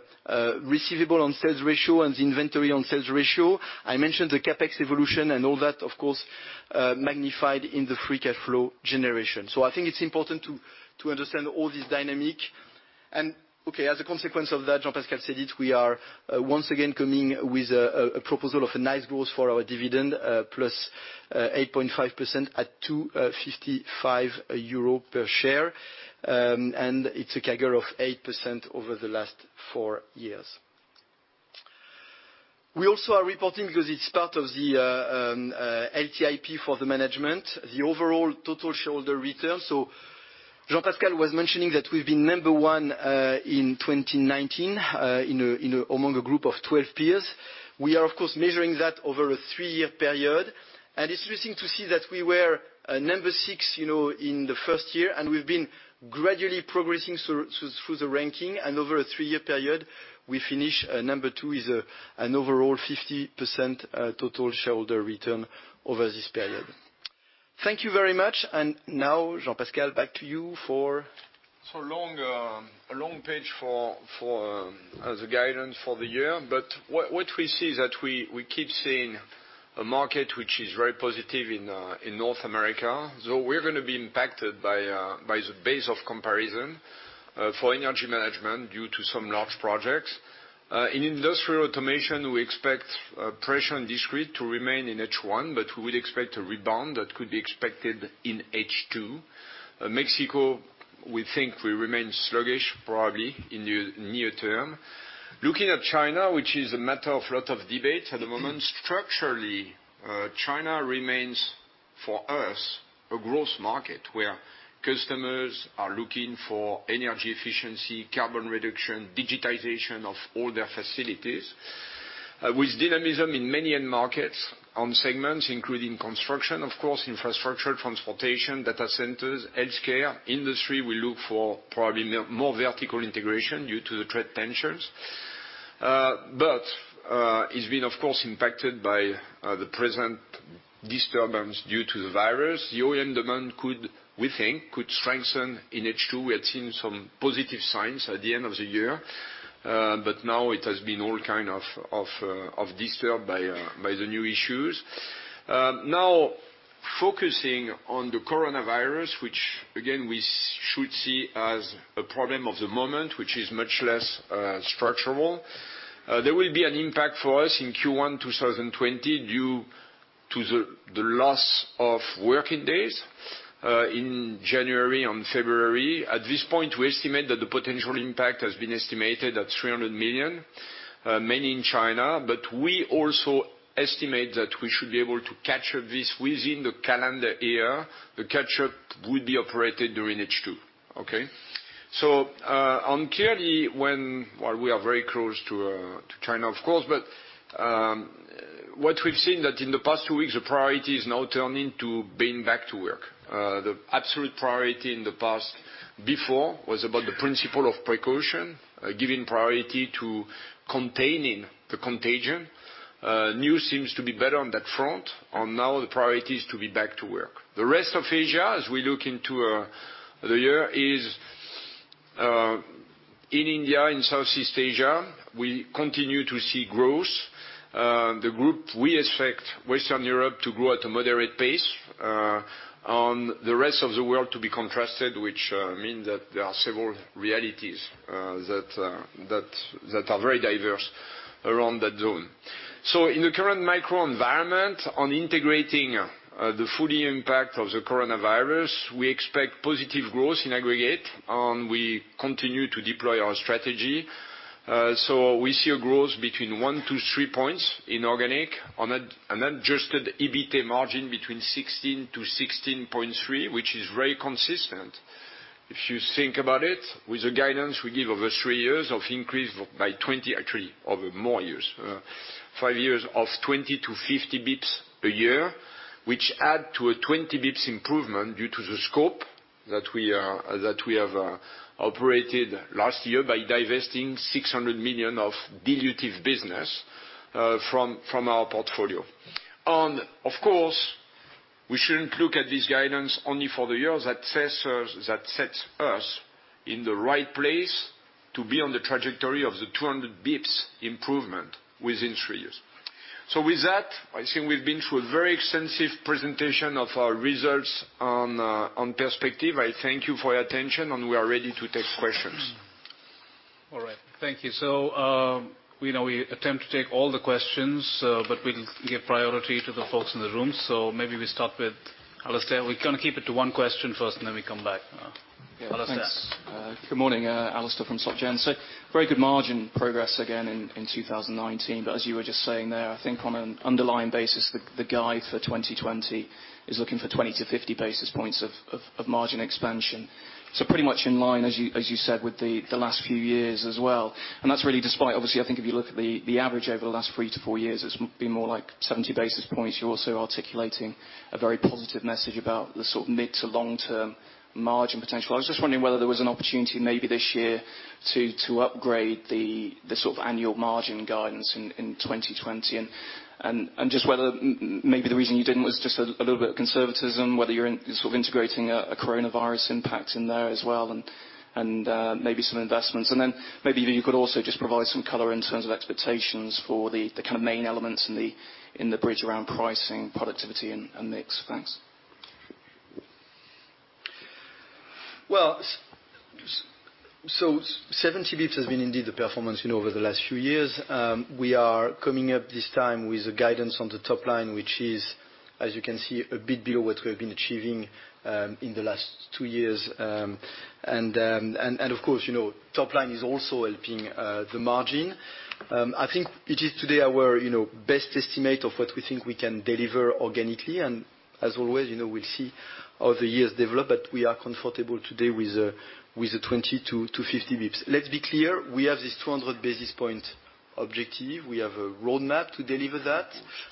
receivable on sales ratio and the inventory on sales ratio. I mentioned the CapEx evolution and all that, of course, magnified in the free cash flow generation. I think it's important to understand all this dynamic. Okay, as a consequence of that, Jean-Pascal said it, we are once again coming with a proposal of a nice growth for our dividend, plus 8.5% at 255 euro per share. It's a CAGR of 8% over the last four years. We also are reporting, because it's part of the LTIP for the management, the overall total shareholder return. Jean-Pascal was mentioning that we've been number one in 2019 among a group of 12 peers. We are, of course, measuring that over a three-year period, and it's interesting to see that we were number six in the first year, and we've been gradually progressing through the ranking, and over a three-year period, we finish number two with an overall 50% total shareholder return over this period. Thank you very much. Now, Jean-Pascal, back to you. A long page for the guidance for the year. What we see is that we keep seeing a market which is very positive in North America. We're going to be impacted by the base of comparison for energy management due to some large projects. In industrial automation, we expect pressure on discrete to remain in H1, but we will expect a rebound that could be expected in H2. Mexico, we think will remain sluggish, probably in the near term. Looking at China, which is a matter of lot of debate at the moment. Structurally, China remains, for us, a growth market, where customers are looking for energy efficiency, carbon reduction, digitization of all their facilities. With dynamism in many end markets, on segments, including construction, of course, infrastructure, transportation, data centers, healthcare, industry, we look for probably more vertical integration due to the trade tensions. It's been, of course, impacted by the present disturbance due to the virus. OEM demand, we think, could strengthen in H2. We had seen some positive signs at the end of the year, but now it has been all kind of disturbed by the new issues. Now focusing on the coronavirus, which again, we should see as a problem of the moment, which is much less structural. There will be an impact for us in Q1 2020 due to the loss of working days in January and February. At this point, we estimate that the potential impact has been estimated at 300 million, mainly in China, but we also estimate that we should be able to capture this within the calendar year. The capture will be operated during H2. Okay? Clearly, while we are very close to China, of course, but what we've seen that in the past two weeks, the priority is now turning to being back to work. The absolute priority in the past before, was about the principle of precaution, giving priority to containing the contagion. News seems to be better on that front, and now the priority is to be back to work. The rest of Asia, as we look into the year, is in India, in Southeast Asia, we continue to see growth. The group, we expect Western Europe to grow at a moderate pace. The rest of the world to be contrasted, which means that there are several realities that are very diverse around that zone. In the current macroenvironment on integrating the full impact of the coronavirus, we expect positive growth in aggregate, and we continue to deploy our strategy. We see a growth between one to three points in organic on an Adjusted EBITA margin between 16% and 16.3%, which is very consistent. If you think about it, with the guidance we give over three years of increase by 20 basis points, actually over more years, five years of 20-50 basis points a year, which add to a 20 basis points improvement due to the scope that we have operated last year by divesting 600 million of dilutive business from our portfolio. Of course, we shouldn't look at this guidance only for the years that sets us in the right place to be on the trajectory of the 200 basis points improvement within three years. With that, I think we've been through a very extensive presentation of our results on perspective. I thank you for your attention, and we are ready to take questions. All right. Thank you. We attempt to take all the questions, but we'll give priority to the folks in the room. Maybe we start with Alasdair. We're going to keep it to one question first, and then we come back. Alasdair. Yeah, thanks. Good morning. Alasdair from Societe Generale. Very good margin progress again in 2019. As you were just saying there, I think on an underlying basis, the guide for 2020 is looking for 20-50 basis points of margin expansion. Pretty much in line, as you said, with the last few years as well. That's really despite obviously, I think if you look at the average over the last three to four years, it's been more like 70 basis points. You're also articulating a very positive message about the sort of mid to long-term margin potential. I was just wondering whether there was an opportunity maybe this year to upgrade the sort of annual margin guidance in 2020, and just whether maybe the reason you didn't was just a little bit of conservatism, whether you're in the sort of integrating a coronavirus impact in there as well, and maybe some investments. Then maybe you could also just provide some color in terms of expectations for the kind of main elements in the bridge around pricing, productivity, and mix. Thanks. Well, 70 basis points has been indeed the performance over the last few years. We are coming up this time with a guidance on the top line, which is, as you can see, a bit below what we have been achieving in the last two years. Of course, top line is also helping the margin. I think it is today our best estimate of what we think we can deliver organically. As always, we'll see how the years develop, but we are comfortable today with the 20-50 basis points. Let's be clear, we have this 200 basis point objective. We have a roadmap to deliver that.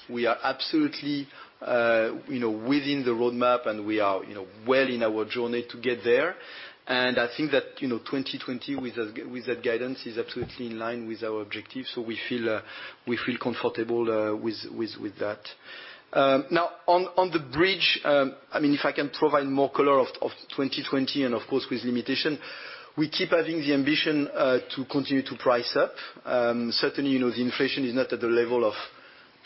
We are absolutely within the roadmap, and we are well in our journey to get there. I think that 2020 with that guidance is absolutely in line with our objectives. We feel comfortable with that. Now on the bridge, if I can provide more color of 2020 and of course with limitation, we keep having the ambition to continue to price up. Certainly, the inflation is not at the level of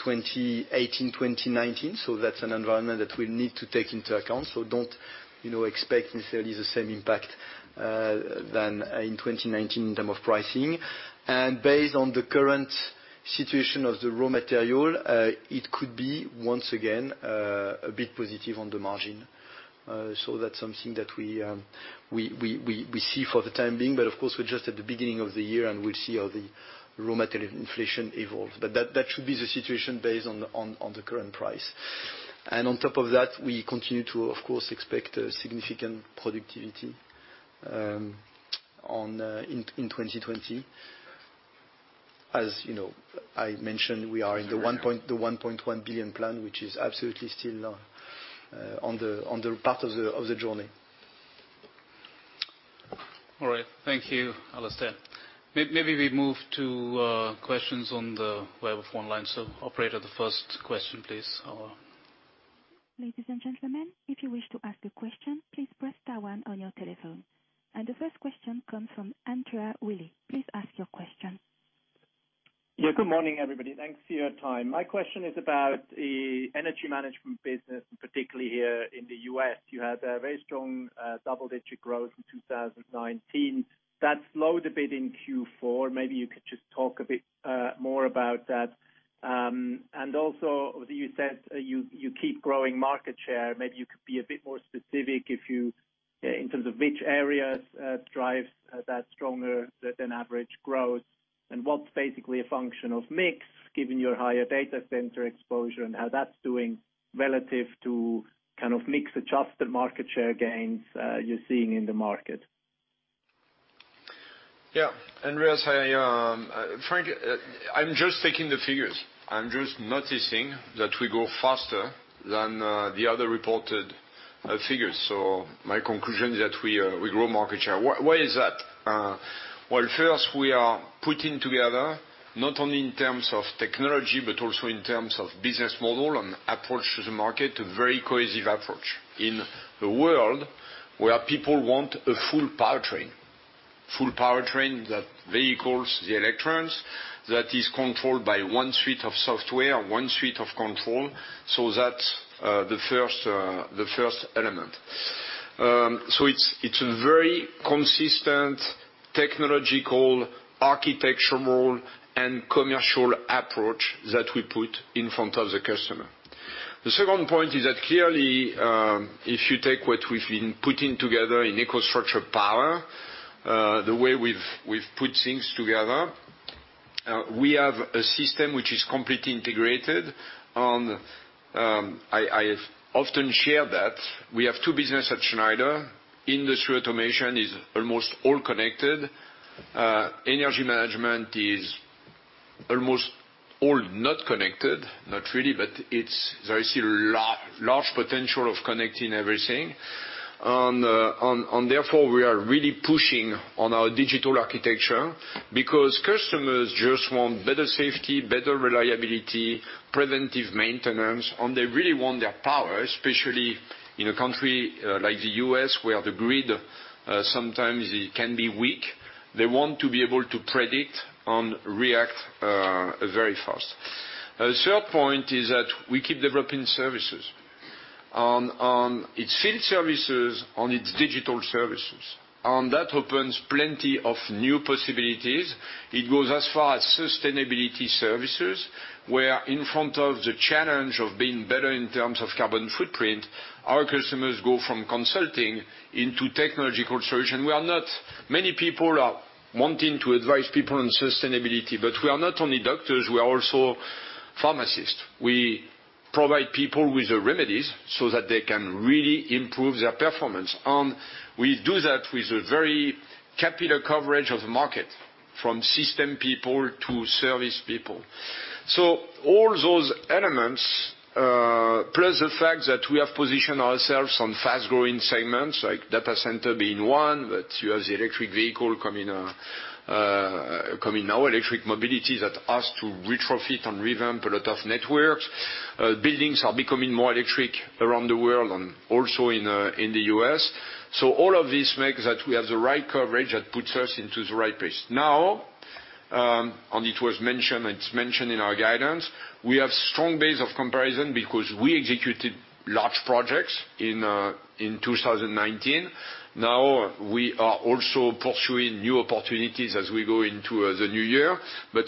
2018, 2019. That's an environment that we need to take into account. Don't expect necessarily the same impact than in 2019 in terms of pricing. Based on the current situation of the raw material, it could be, once again, a bit positive on the margin. That's something that we see for the time being. Of course, we're just at the beginning of the year, and we'll see how the raw material inflation evolves. That should be the situation based on the current price. On top of that, we continue to, of course, expect a significant productivity in 2020. As you know, I mentioned we are in the 1.1 billion plan, which is absolutely still on the part of the journey. All right. Thank you, Alasdair. Maybe we move to questions on the web or phone line. Operator, the first question, please. Ladies and gentlemen, if you wish to ask a question, please press star one on your telephone. The first question comes from Andreas Willi. Please ask your question. Yeah. Good morning, everybody. Thanks for your time. My question is about the energy management business, and particularly here in the U.S. You had a very strong double-digit growth in 2019. That slowed a bit in Q4. Maybe you could just talk a bit more about that. Also that you said you keep growing market share. Maybe you could be a bit more specific in terms of which areas drive that stronger than average growth. What's basically a function of mix, given your higher data center exposure and how that's doing relative to kind of mix-adjusted market share gains you're seeing in the market? Yeah. Andreas, frankly, I'm just taking the figures. I'm just noticing that we grow faster than the other reported figures. My conclusion is that we grow market share. Why is that? Well, first, we are putting together not only in terms of technology, but also in terms of business model and approach to the market, a very cohesive approach in a world where people want a full powertrain. Full powertrain that vehicles the electrons, that is controlled by one suite of software, one suite of control. That's the first element. It's a very consistent technological, architectural, and commercial approach that we put in front of the customer. The second point is that clearly, if you take what we've been putting together in EcoStruxure power, the way we've put things together, we have a system which is completely integrated. I often share that we have two businesses at Schneider. Industry automation is almost all connected. Energy management is almost all not connected, not really, but there is still large potential of connecting everything. Therefore, we are really pushing on our digital architecture because customers just want better safety, better reliability, preventive maintenance, and they really want their power, especially in a country like the U.S., where the grid sometimes it can be weak. They want to be able to predict and react very fast. Third point is that we keep developing services. It's field services and it's digital services. That opens plenty of new possibilities. It goes as far as sustainability services, where in front of the challenge of being better in terms of carbon footprint, our customers go from consulting into technological solutions. Many people are wanting to advise people on sustainability, but we are not only doctors, we are also pharmacists. We provide people with the remedies so that they can really improve their performance, and we do that with a very capital coverage of the market, from system people to service people. All those elements, plus the fact that we have positioned ourselves on fast-growing segments, like data center being one, but you have the electric vehicle coming now, electric mobility that asks to retrofit and revamp a lot of networks. Buildings are becoming more electric around the world and also in the U.S. All of this makes that we have the right coverage that puts us into the right place. Now, and it's mentioned in our guidance, we have strong base of comparison because we executed large projects in 2019. Now, we are also pursuing new opportunities as we go into the new year.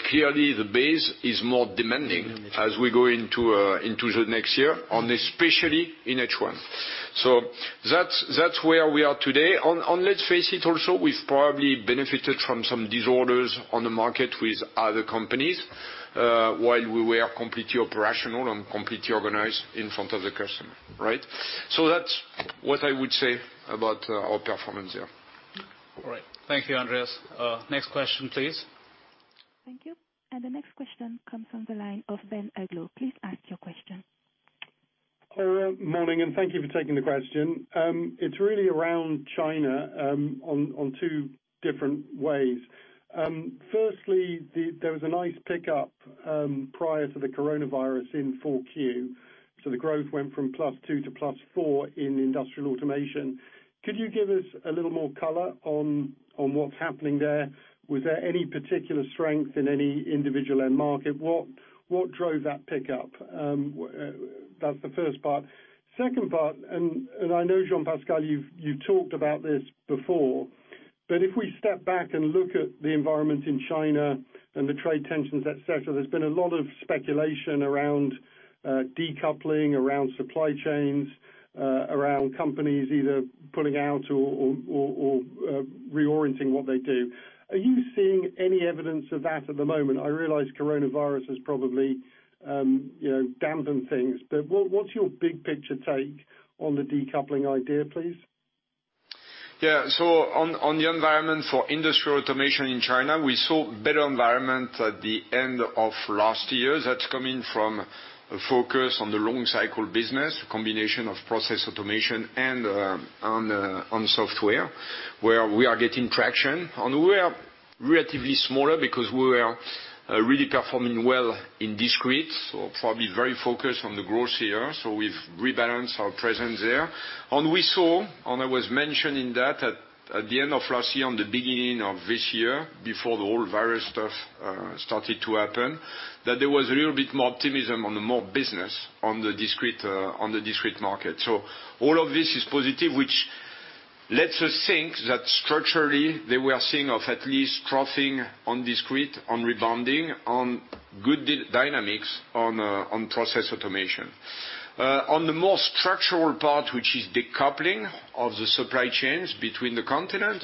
Clearly, the base is more demanding as we go into the next year and especially in H1. That's where we are today. Let's face it also, we've probably benefited from some disorders on the market with other companies, while we were completely operational and completely organized in front of the customer. Right? That's what I would say about our performance there. All right. Thank you, Andreas. Next question, please. Thank you. The next question comes from the line of Ben Uglow. Please ask your question. Hello. Morning, and thank you for taking the question. It's really around China, on two different ways. Firstly, there was a nice pickup prior to the coronavirus in 4Q. The growth went from +2 to +4 in industrial automation. Could you give us a little more color on what's happening there? Was there any particular strength in any individual end market? What drove that pickup? That's the first part. Second part, I know, Jean-Pascal, you've talked about this before, if we step back and look at the environment in China and the trade tensions, et cetera, there's been a lot of speculation around decoupling, around supply chains, around companies either pulling out or reorienting what they do. Are you seeing any evidence of that at the moment? I realize coronavirus has probably dampened things, what's your big-picture take on the decoupling idea, please? On the environment for industrial automation in China, we saw better environment at the end of last year. That's coming from a focus on the long cycle business, combination of process automation and on software, where we are getting traction. We are relatively smaller because we were really performing well in discrete, so probably very focused on the growth here. We've rebalanced our presence there. We saw, and I was mentioning that at the end of last year, on the beginning of this year, before the whole virus stuff started to happen, that there was a little bit more optimism on the more business on the discrete market. All of this is positive, which lets us think that structurally, that we are seeing of at least troughing on discrete, on rebounding, on good dynamics on process automation. On the more structural part, which is decoupling of the supply chains between the continent,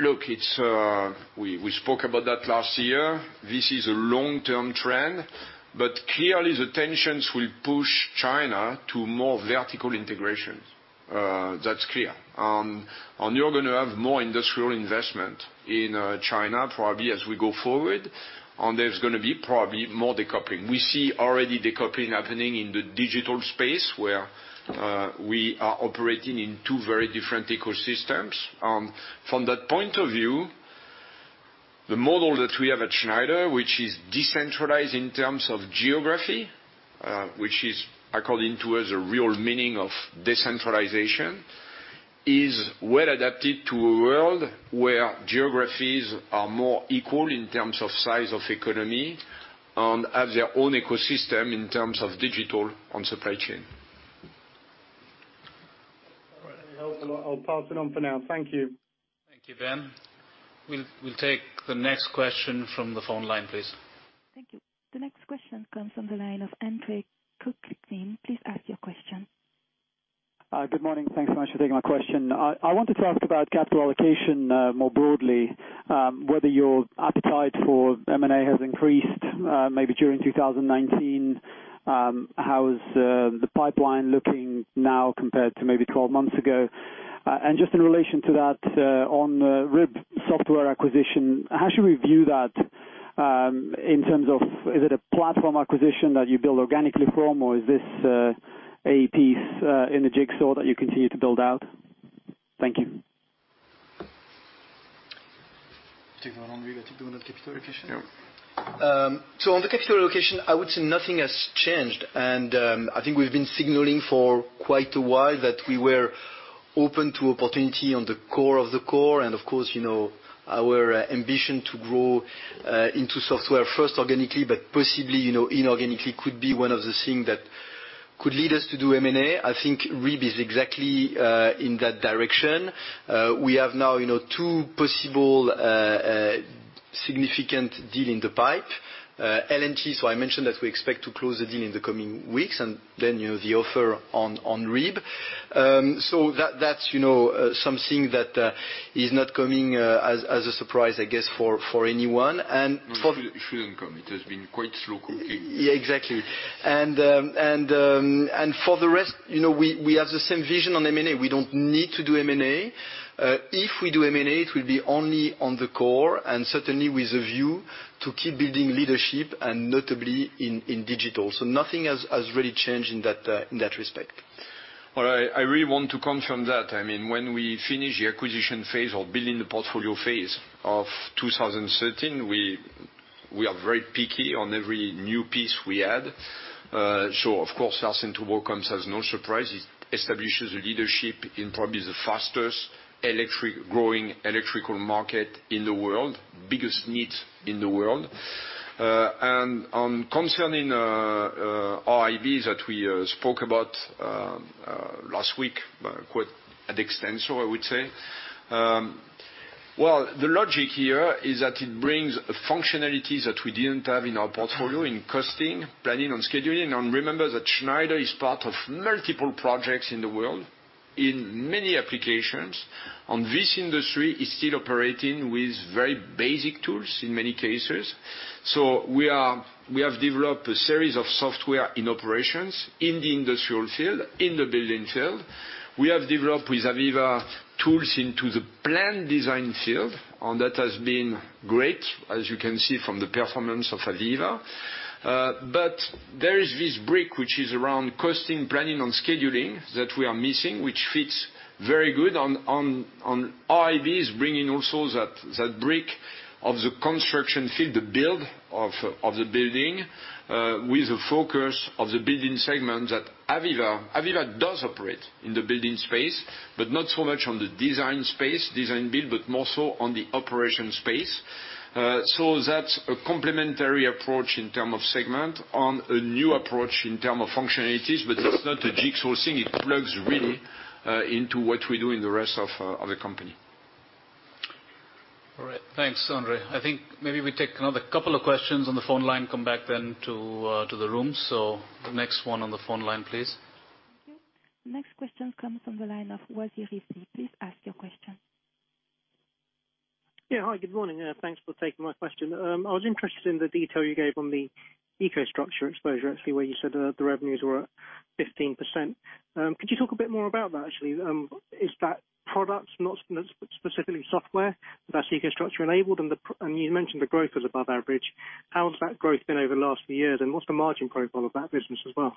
look, we spoke about that last year. This is a long-term trend. Clearly, the tensions will push China to more vertical integrations. That's clear. You're going to have more industrial investment in China, probably as we go forward. There's going to be probably more decoupling. We see already decoupling happening in the digital space, where we are operating in two very different ecosystems. From that point of view, the model that we have at Schneider, which is decentralized in terms of geography, which is according to as a real meaning of decentralization, is well adapted to a world where geographies are more equal in terms of size of economy and have their own ecosystem in terms of digital on supply chain. All right. I hope I'll pass it on for now. Thank you. Thank you, Ben. We'll take the next question from the phone line, please. Thank you. The next question comes from the line of Andre Kukhnin. Please ask your question. Hi. Good morning. Thanks so much for taking my question. I want to talk about capital allocation more broadly, whether your appetite for M&A has increased, maybe during 2019. How is the pipeline looking now compared to maybe 12 months ago? Just in relation to that, on RIB Software acquisition, how should we view that in terms of, is it a platform acquisition that you build organically from, or is this a piece in a jigsaw that you continue to build out? Thank you. Take it on, Andre, regarding the capital allocation? On the capital allocation, I would say nothing has changed. I think we've been signaling for quite a while that we were open to opportunity on the core of the core. Of course, our ambition to grow into software first organically, but possibly inorganically, could be one of the things that could lead us to do M&A. I think RIB is exactly in that direction. We have now two possible significant deal in the pipe. L&T, I mentioned that we expect to close the deal in the coming weeks, then the offer on RIB. That's something that is not coming as a surprise, I guess, for anyone. It shouldn't come. It has been quite slow cooking. Yeah, exactly. For the rest, we have the same vision on M&A. We don't need to do M&A. If we do M&A, it will be only on the core and certainly with a view to keep building leadership and notably in digital. Nothing has really changed in that respect. All right. I really want to confirm that. When we finish the acquisition phase or building the portfolio phase of 2013, we are very picky on every new piece we add. Of course, Hilsinc to Wacom comes as no surprise. It establishes a leadership in probably the fastest growing electrical market in the world, biggest need in the world. Concerning our RIB that we spoke about last week, quite at extent, I would say. The logic here is that it brings functionalities that we didn't have in our portfolio in costing, planning, and scheduling. Remember that Schneider is part of multiple projects in the world in many applications, and this industry is still operating with very basic tools in many cases. We have developed a series of software in operations in the industrial field, in the building field. We have developed with AVEVA tools into the plan design field, and that has been great, as you can see from the performance of AVEVA. But there is this brick, which is around costing, planning, and scheduling that we are missing, which fits very good on RIBs, bringing also that brick of the construction field, the build of the building, with the focus of the building segment that AVEVA does operate in the building space, but not so much on the design space, design build, but more so on the operation space. That's a complementary approach in terms of segment and a new approach in terms of functionalities, but it's not a jigsaw thing. It plugs really into what we do in the rest of the company. All right. Thanks, Andre. I think maybe we take another couple of questions on the phone line, come back then to the room. The next one on the phone line, please. Thank you. The next question comes from the line of Wasi Rizvi. Please ask your question. Yeah. Hi, good morning. Thanks for taking my question. I was interested in the detail you gave on the EcoStruxure exposure, actually, where you said the revenues were at 15%. Could you talk a bit more about that, actually? Is that product not specifically software, but that's EcoStruxure enabled? You mentioned the growth was above average. How has that growth been over the last few years, and what's the margin profile of that business as well?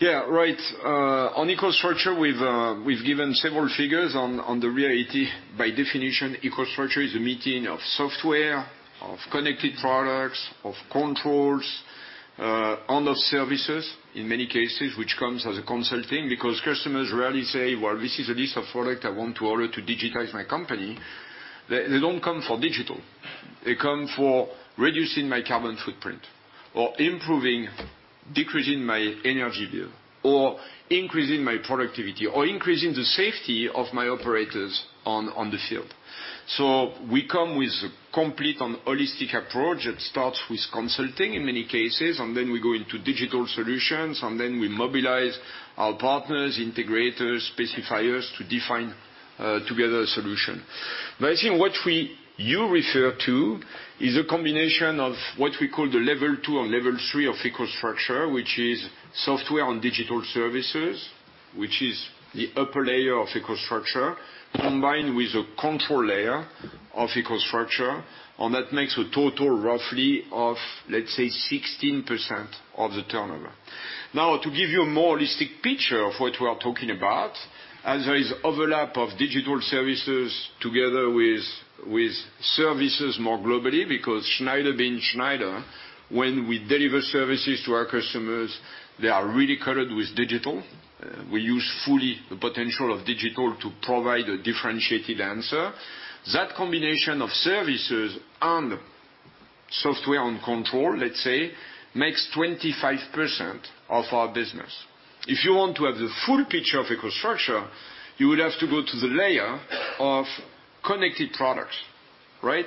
Yeah. Right. On EcoStruxure, we've given several figures on the reality. By definition, EcoStruxure is a meeting of software, of connected products, of controls, and of services in many cases, which comes as a consulting, because customers rarely say, "Well, this is a list of products I want to order to digitize my company." They don't come for digital. They come for reducing my carbon footprint or improving, decreasing my energy bill or increasing my productivity or increasing the safety of my operators on the field. We come with a complete and holistic approach that starts with consulting in many cases, and then we go into digital solutions, and then we mobilize our partners, integrators, specifiers, to define together a solution. I think what you refer to is a combination of what we call the level two or level three of EcoStruxure, which is software on digital services, which is the upper layer of EcoStruxure, combined with a control layer of EcoStruxure, and that makes a total roughly of, let's say, 16% of the turnover. To give you a more holistic picture of what we are talking about, as there is overlap of digital services together with services more globally, because Schneider being Schneider, when we deliver services to our customers, they are really colored with digital. We use fully the potential of digital to provide a differentiated answer. That combination of services and software and control, let's say, makes 25% of our business. If you want to have the full picture of EcoStruxure, you would have to go to the layer of connected products. By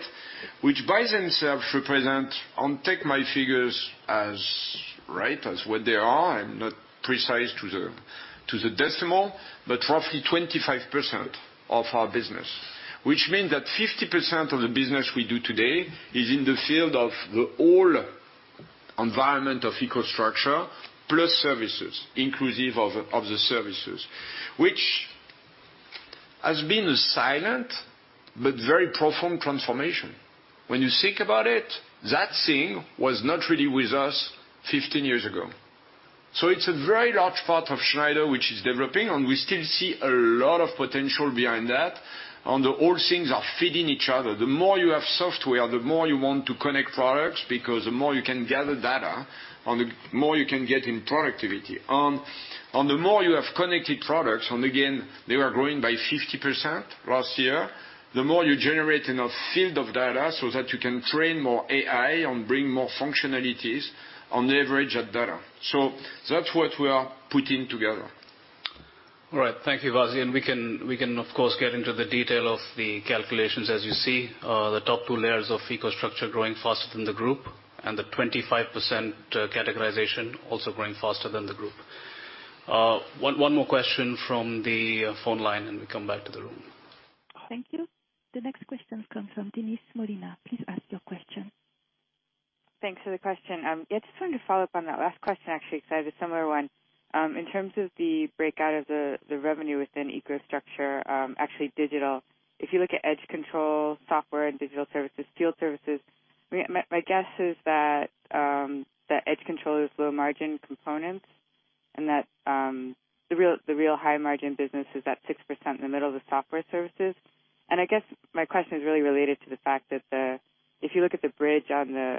themselves represent, and take my figures as right as what they are, I'm not precise to the decimal, but roughly 25% of our business. Means that 50% of the business we do today is in the field of the whole environment of EcoStruxure, plus services, inclusive of the services. Has been a silent but very profound transformation. When you think about it, that thing was not really with us 15 years ago. It's a very large part of Schneider which is developing, and we still see a lot of potential behind that, and the whole things are feeding each other. The more you have software, the more you want to connect products, because the more you can gather data, and the more you can get in productivity. The more you have connected products, and again, they were growing by 50% last year, the more you generate enough field of data so that you can train more AI and bring more functionalities and leverage that data. That's what we are putting together. All right. Thank you, Wasi, and we can, of course, get into the detail of the calculations. As you see, the top two layers of EcoStruxure growing faster than the group, and the 25% categorization also growing faster than the group. One more question from the phone line, and we come back to the room. Thank you. The next question comes from Daniela Costa. Please ask your question. Thanks for the question. Yeah, just wanted to follow up on that last question, actually, because I have a similar one. In terms of the breakout of the revenue within EcoStruxure, actually digital, if you look at edge control, software and digital services, field services, my guess is that edge control is low margin components and that the real high margin business is at 6% in the middle of the software services. I guess my question is really related to the fact that if you look at the bridge on the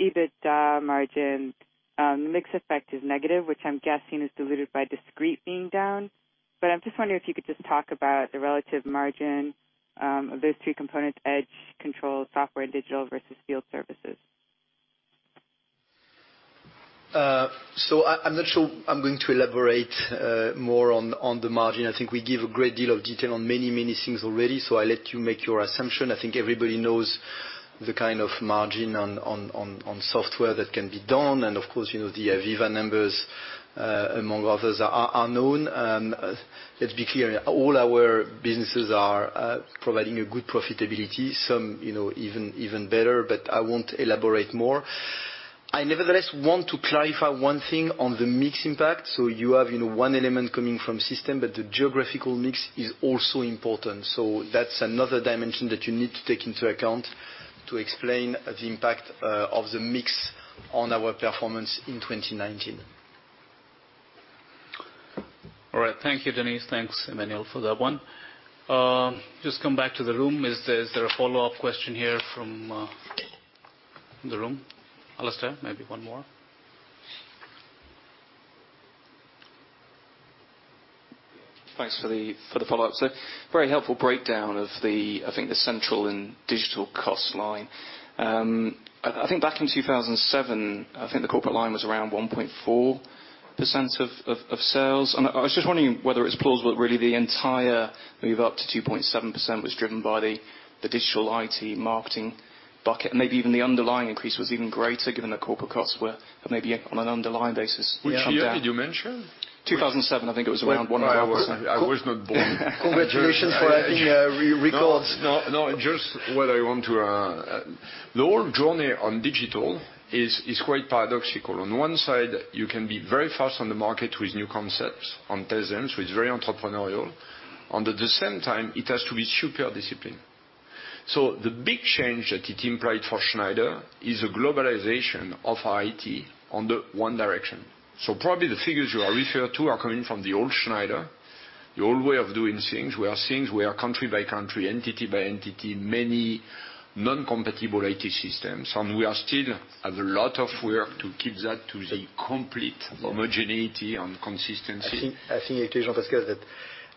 EBITA margin, the mix effect is negative, which I'm guessing is diluted by discrete being down. I'm just wondering if you could just talk about the relative margin of those two components, edge control, software and digital versus field services. I'm not sure I'm going to elaborate more on the margin. I think I give a great deal of detail on many things already, I let you make your assumption. I think everybody knows the kind of margin on software that can be done, of course, the AVEVA numbers, among others, are known. Let's be clear, all our businesses are providing a good profitability, some even better, I won't elaborate more. I nevertheless want to clarify one thing on the mix impact. You have one element coming from system, but the geographical mix is also important. That's another dimension that you need to take into account to explain the impact of the mix on our performance in 2019. All right. Thank you, Daniela. Thanks, Emmanuel, for that one. Just come back to the room. Is there a follow-up question here from in the room? Alasdair, maybe one more. Thanks for the follow-up. Very helpful breakdown of the, I think, the central and digital cost line. I think back in 2007, I think the corporate line was around 1.4% of sales. I was just wondering whether it's plausible, really, the entire move up to 2.7% was driven by the digital IT marketing bucket, and maybe even the underlying increase was even greater given the corporate costs were maybe on an underlying basis. Which year did you mention? 2007, I think it was around 1%. I was not born. Congratulations for breaking records. No. The whole journey on digital is quite paradoxical. On one side, you can be very fast on the market with new concepts, on testings, so it's very entrepreneurial. At the same time, it has to be superior discipline. The big change that it implied for Schneider is a globalization of our IT in one direction. Probably the figures you are referred to are coming from the old Schneider, the old way of doing things, where things were country by country, entity by entity, many non-compatible IT systems. We still have a lot of work to keep that to the complete homogeneity and consistency. I think, Jean-Pascal, that,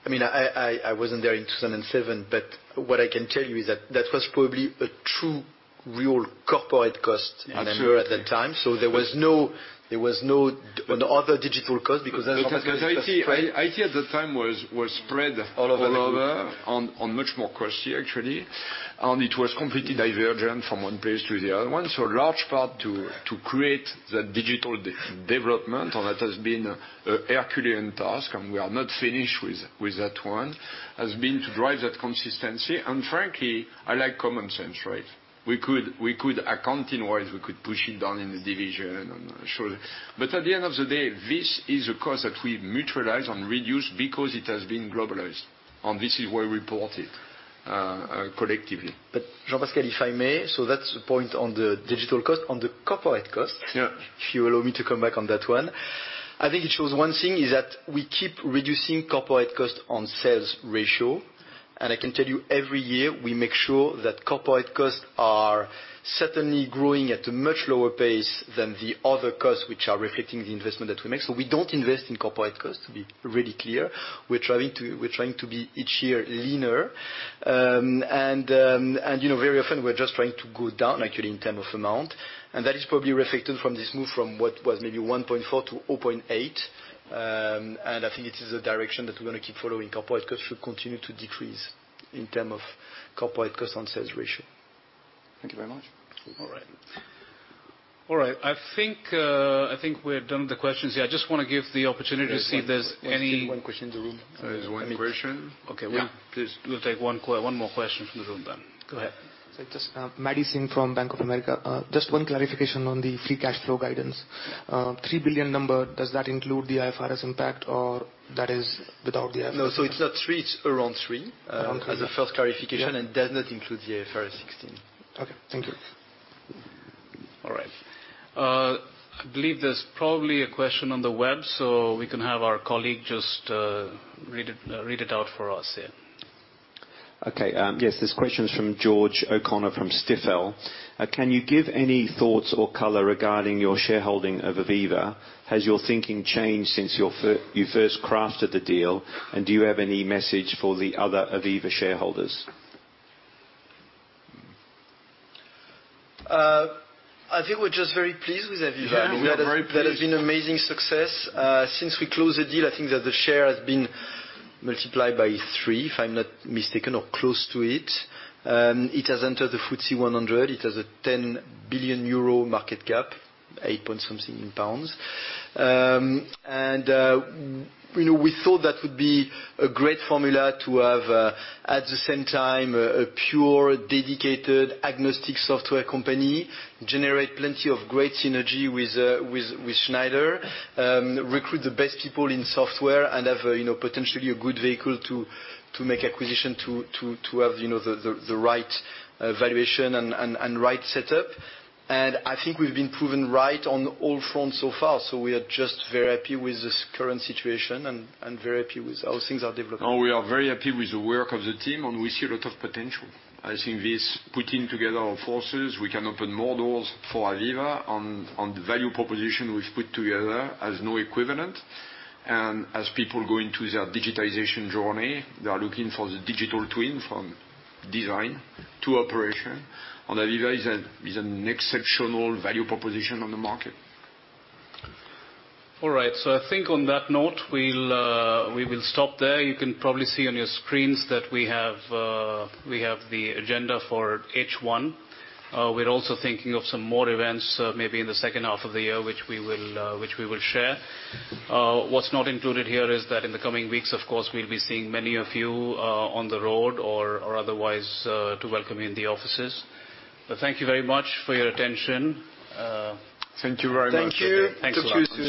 I wasn't there in 2007, but what I can tell you is that that was probably a true real corporate cost. Yeah. At that time. There was no other digital cost because Because IT at the time was spread- All over the place. On much more costly, actually. It was completely divergent from one place to the other one. Large part to create that digital development, and that has been a Herculean task, and we are not finished with that one, has been to drive that consistency. Frankly, I like common sense, right? Accounting-wise, we could push it down in the division and show. At the end of the day, this is a cost that we mutualize and reduce because it has been globalized. This is where we report it, collectively. Jean-Pascal, if I may, that's the point on the digital cost. On the corporate cost. Yeah. If you allow me to come back on that one. I think it shows one thing, is that we keep reducing corporate cost on sales ratio. I can tell you every year, we make sure that corporate costs are certainly growing at a much lower pace than the other costs, which are reflecting the investment that we make. We don't invest in corporate costs, to be really clear. We're trying to be, each year, leaner. Very often, we're just trying to go down actually in term of amount. That is probably reflected from this move from what was maybe 1.4-0.8. I think it is a direction that we're going to keep following. Corporate costs should continue to decrease in term of corporate cost on sales ratio. Thank you very much. All right. I think we're done with the questions here. I just want to give the opportunity to see if there's any- One question in the room. There is one question. Okay. We'll take one more question from the room then. Go ahead. Just, Maddy Singh from Bank of America. Just one clarification on the free cash flow guidance. 3 billion number, does that include the IFRS impact, or that is without the IFRS impact? No, it's not three, it's around three. Around three. As a first clarification, and does not include the IFRS 16. Okay. Thank you. All right. I believe there's probably a question on the web, so we can have our colleague just read it out for us, yeah. Okay. Yes, this question is from George O'Connor from Stifel. Can you give any thoughts or color regarding your shareholding of AVEVA? Has your thinking changed since you first crafted the deal? Do you have any message for the other AVEVA shareholders? I think we're just very pleased with AVEVA. We are very pleased. There has been amazing success. Since we closed the deal, I think that the share has been multiplied by three, if I'm not mistaken, or close to it. It has entered the FTSE 100. It has a 10 billion euro market cap, eight point something in GBP. We thought that would be a great formula to have, at the same time, a pure, dedicated, agnostic software company generate plenty of great synergy with Schneider. Recruit the best people in software, and have potentially a good vehicle to make acquisition to have the right valuation and right setup. I think we've been proven right on all fronts so far. We are just very happy with this current situation and very happy with how things are developing. We are very happy with the work of the team, and we see a lot of potential. I think this putting together our forces, we can open more doors for AVEVA on the value proposition we've put together has no equivalent. As people go into their digitization journey, they are looking for the digital twin from design to operation. AVEVA is an exceptional value proposition on the market. All right. I think on that note, we will stop there. You can probably see on your screens that we have the agenda for H1. We're also thinking of some more events, maybe in the second half of the year, which we will share. What's not included here is that in the coming weeks, of course, we'll be seeing many of you on the road or otherwise, to welcome you in the offices. Thank you very much for your attention. Thank you very much. Thank you. Thanks a lot.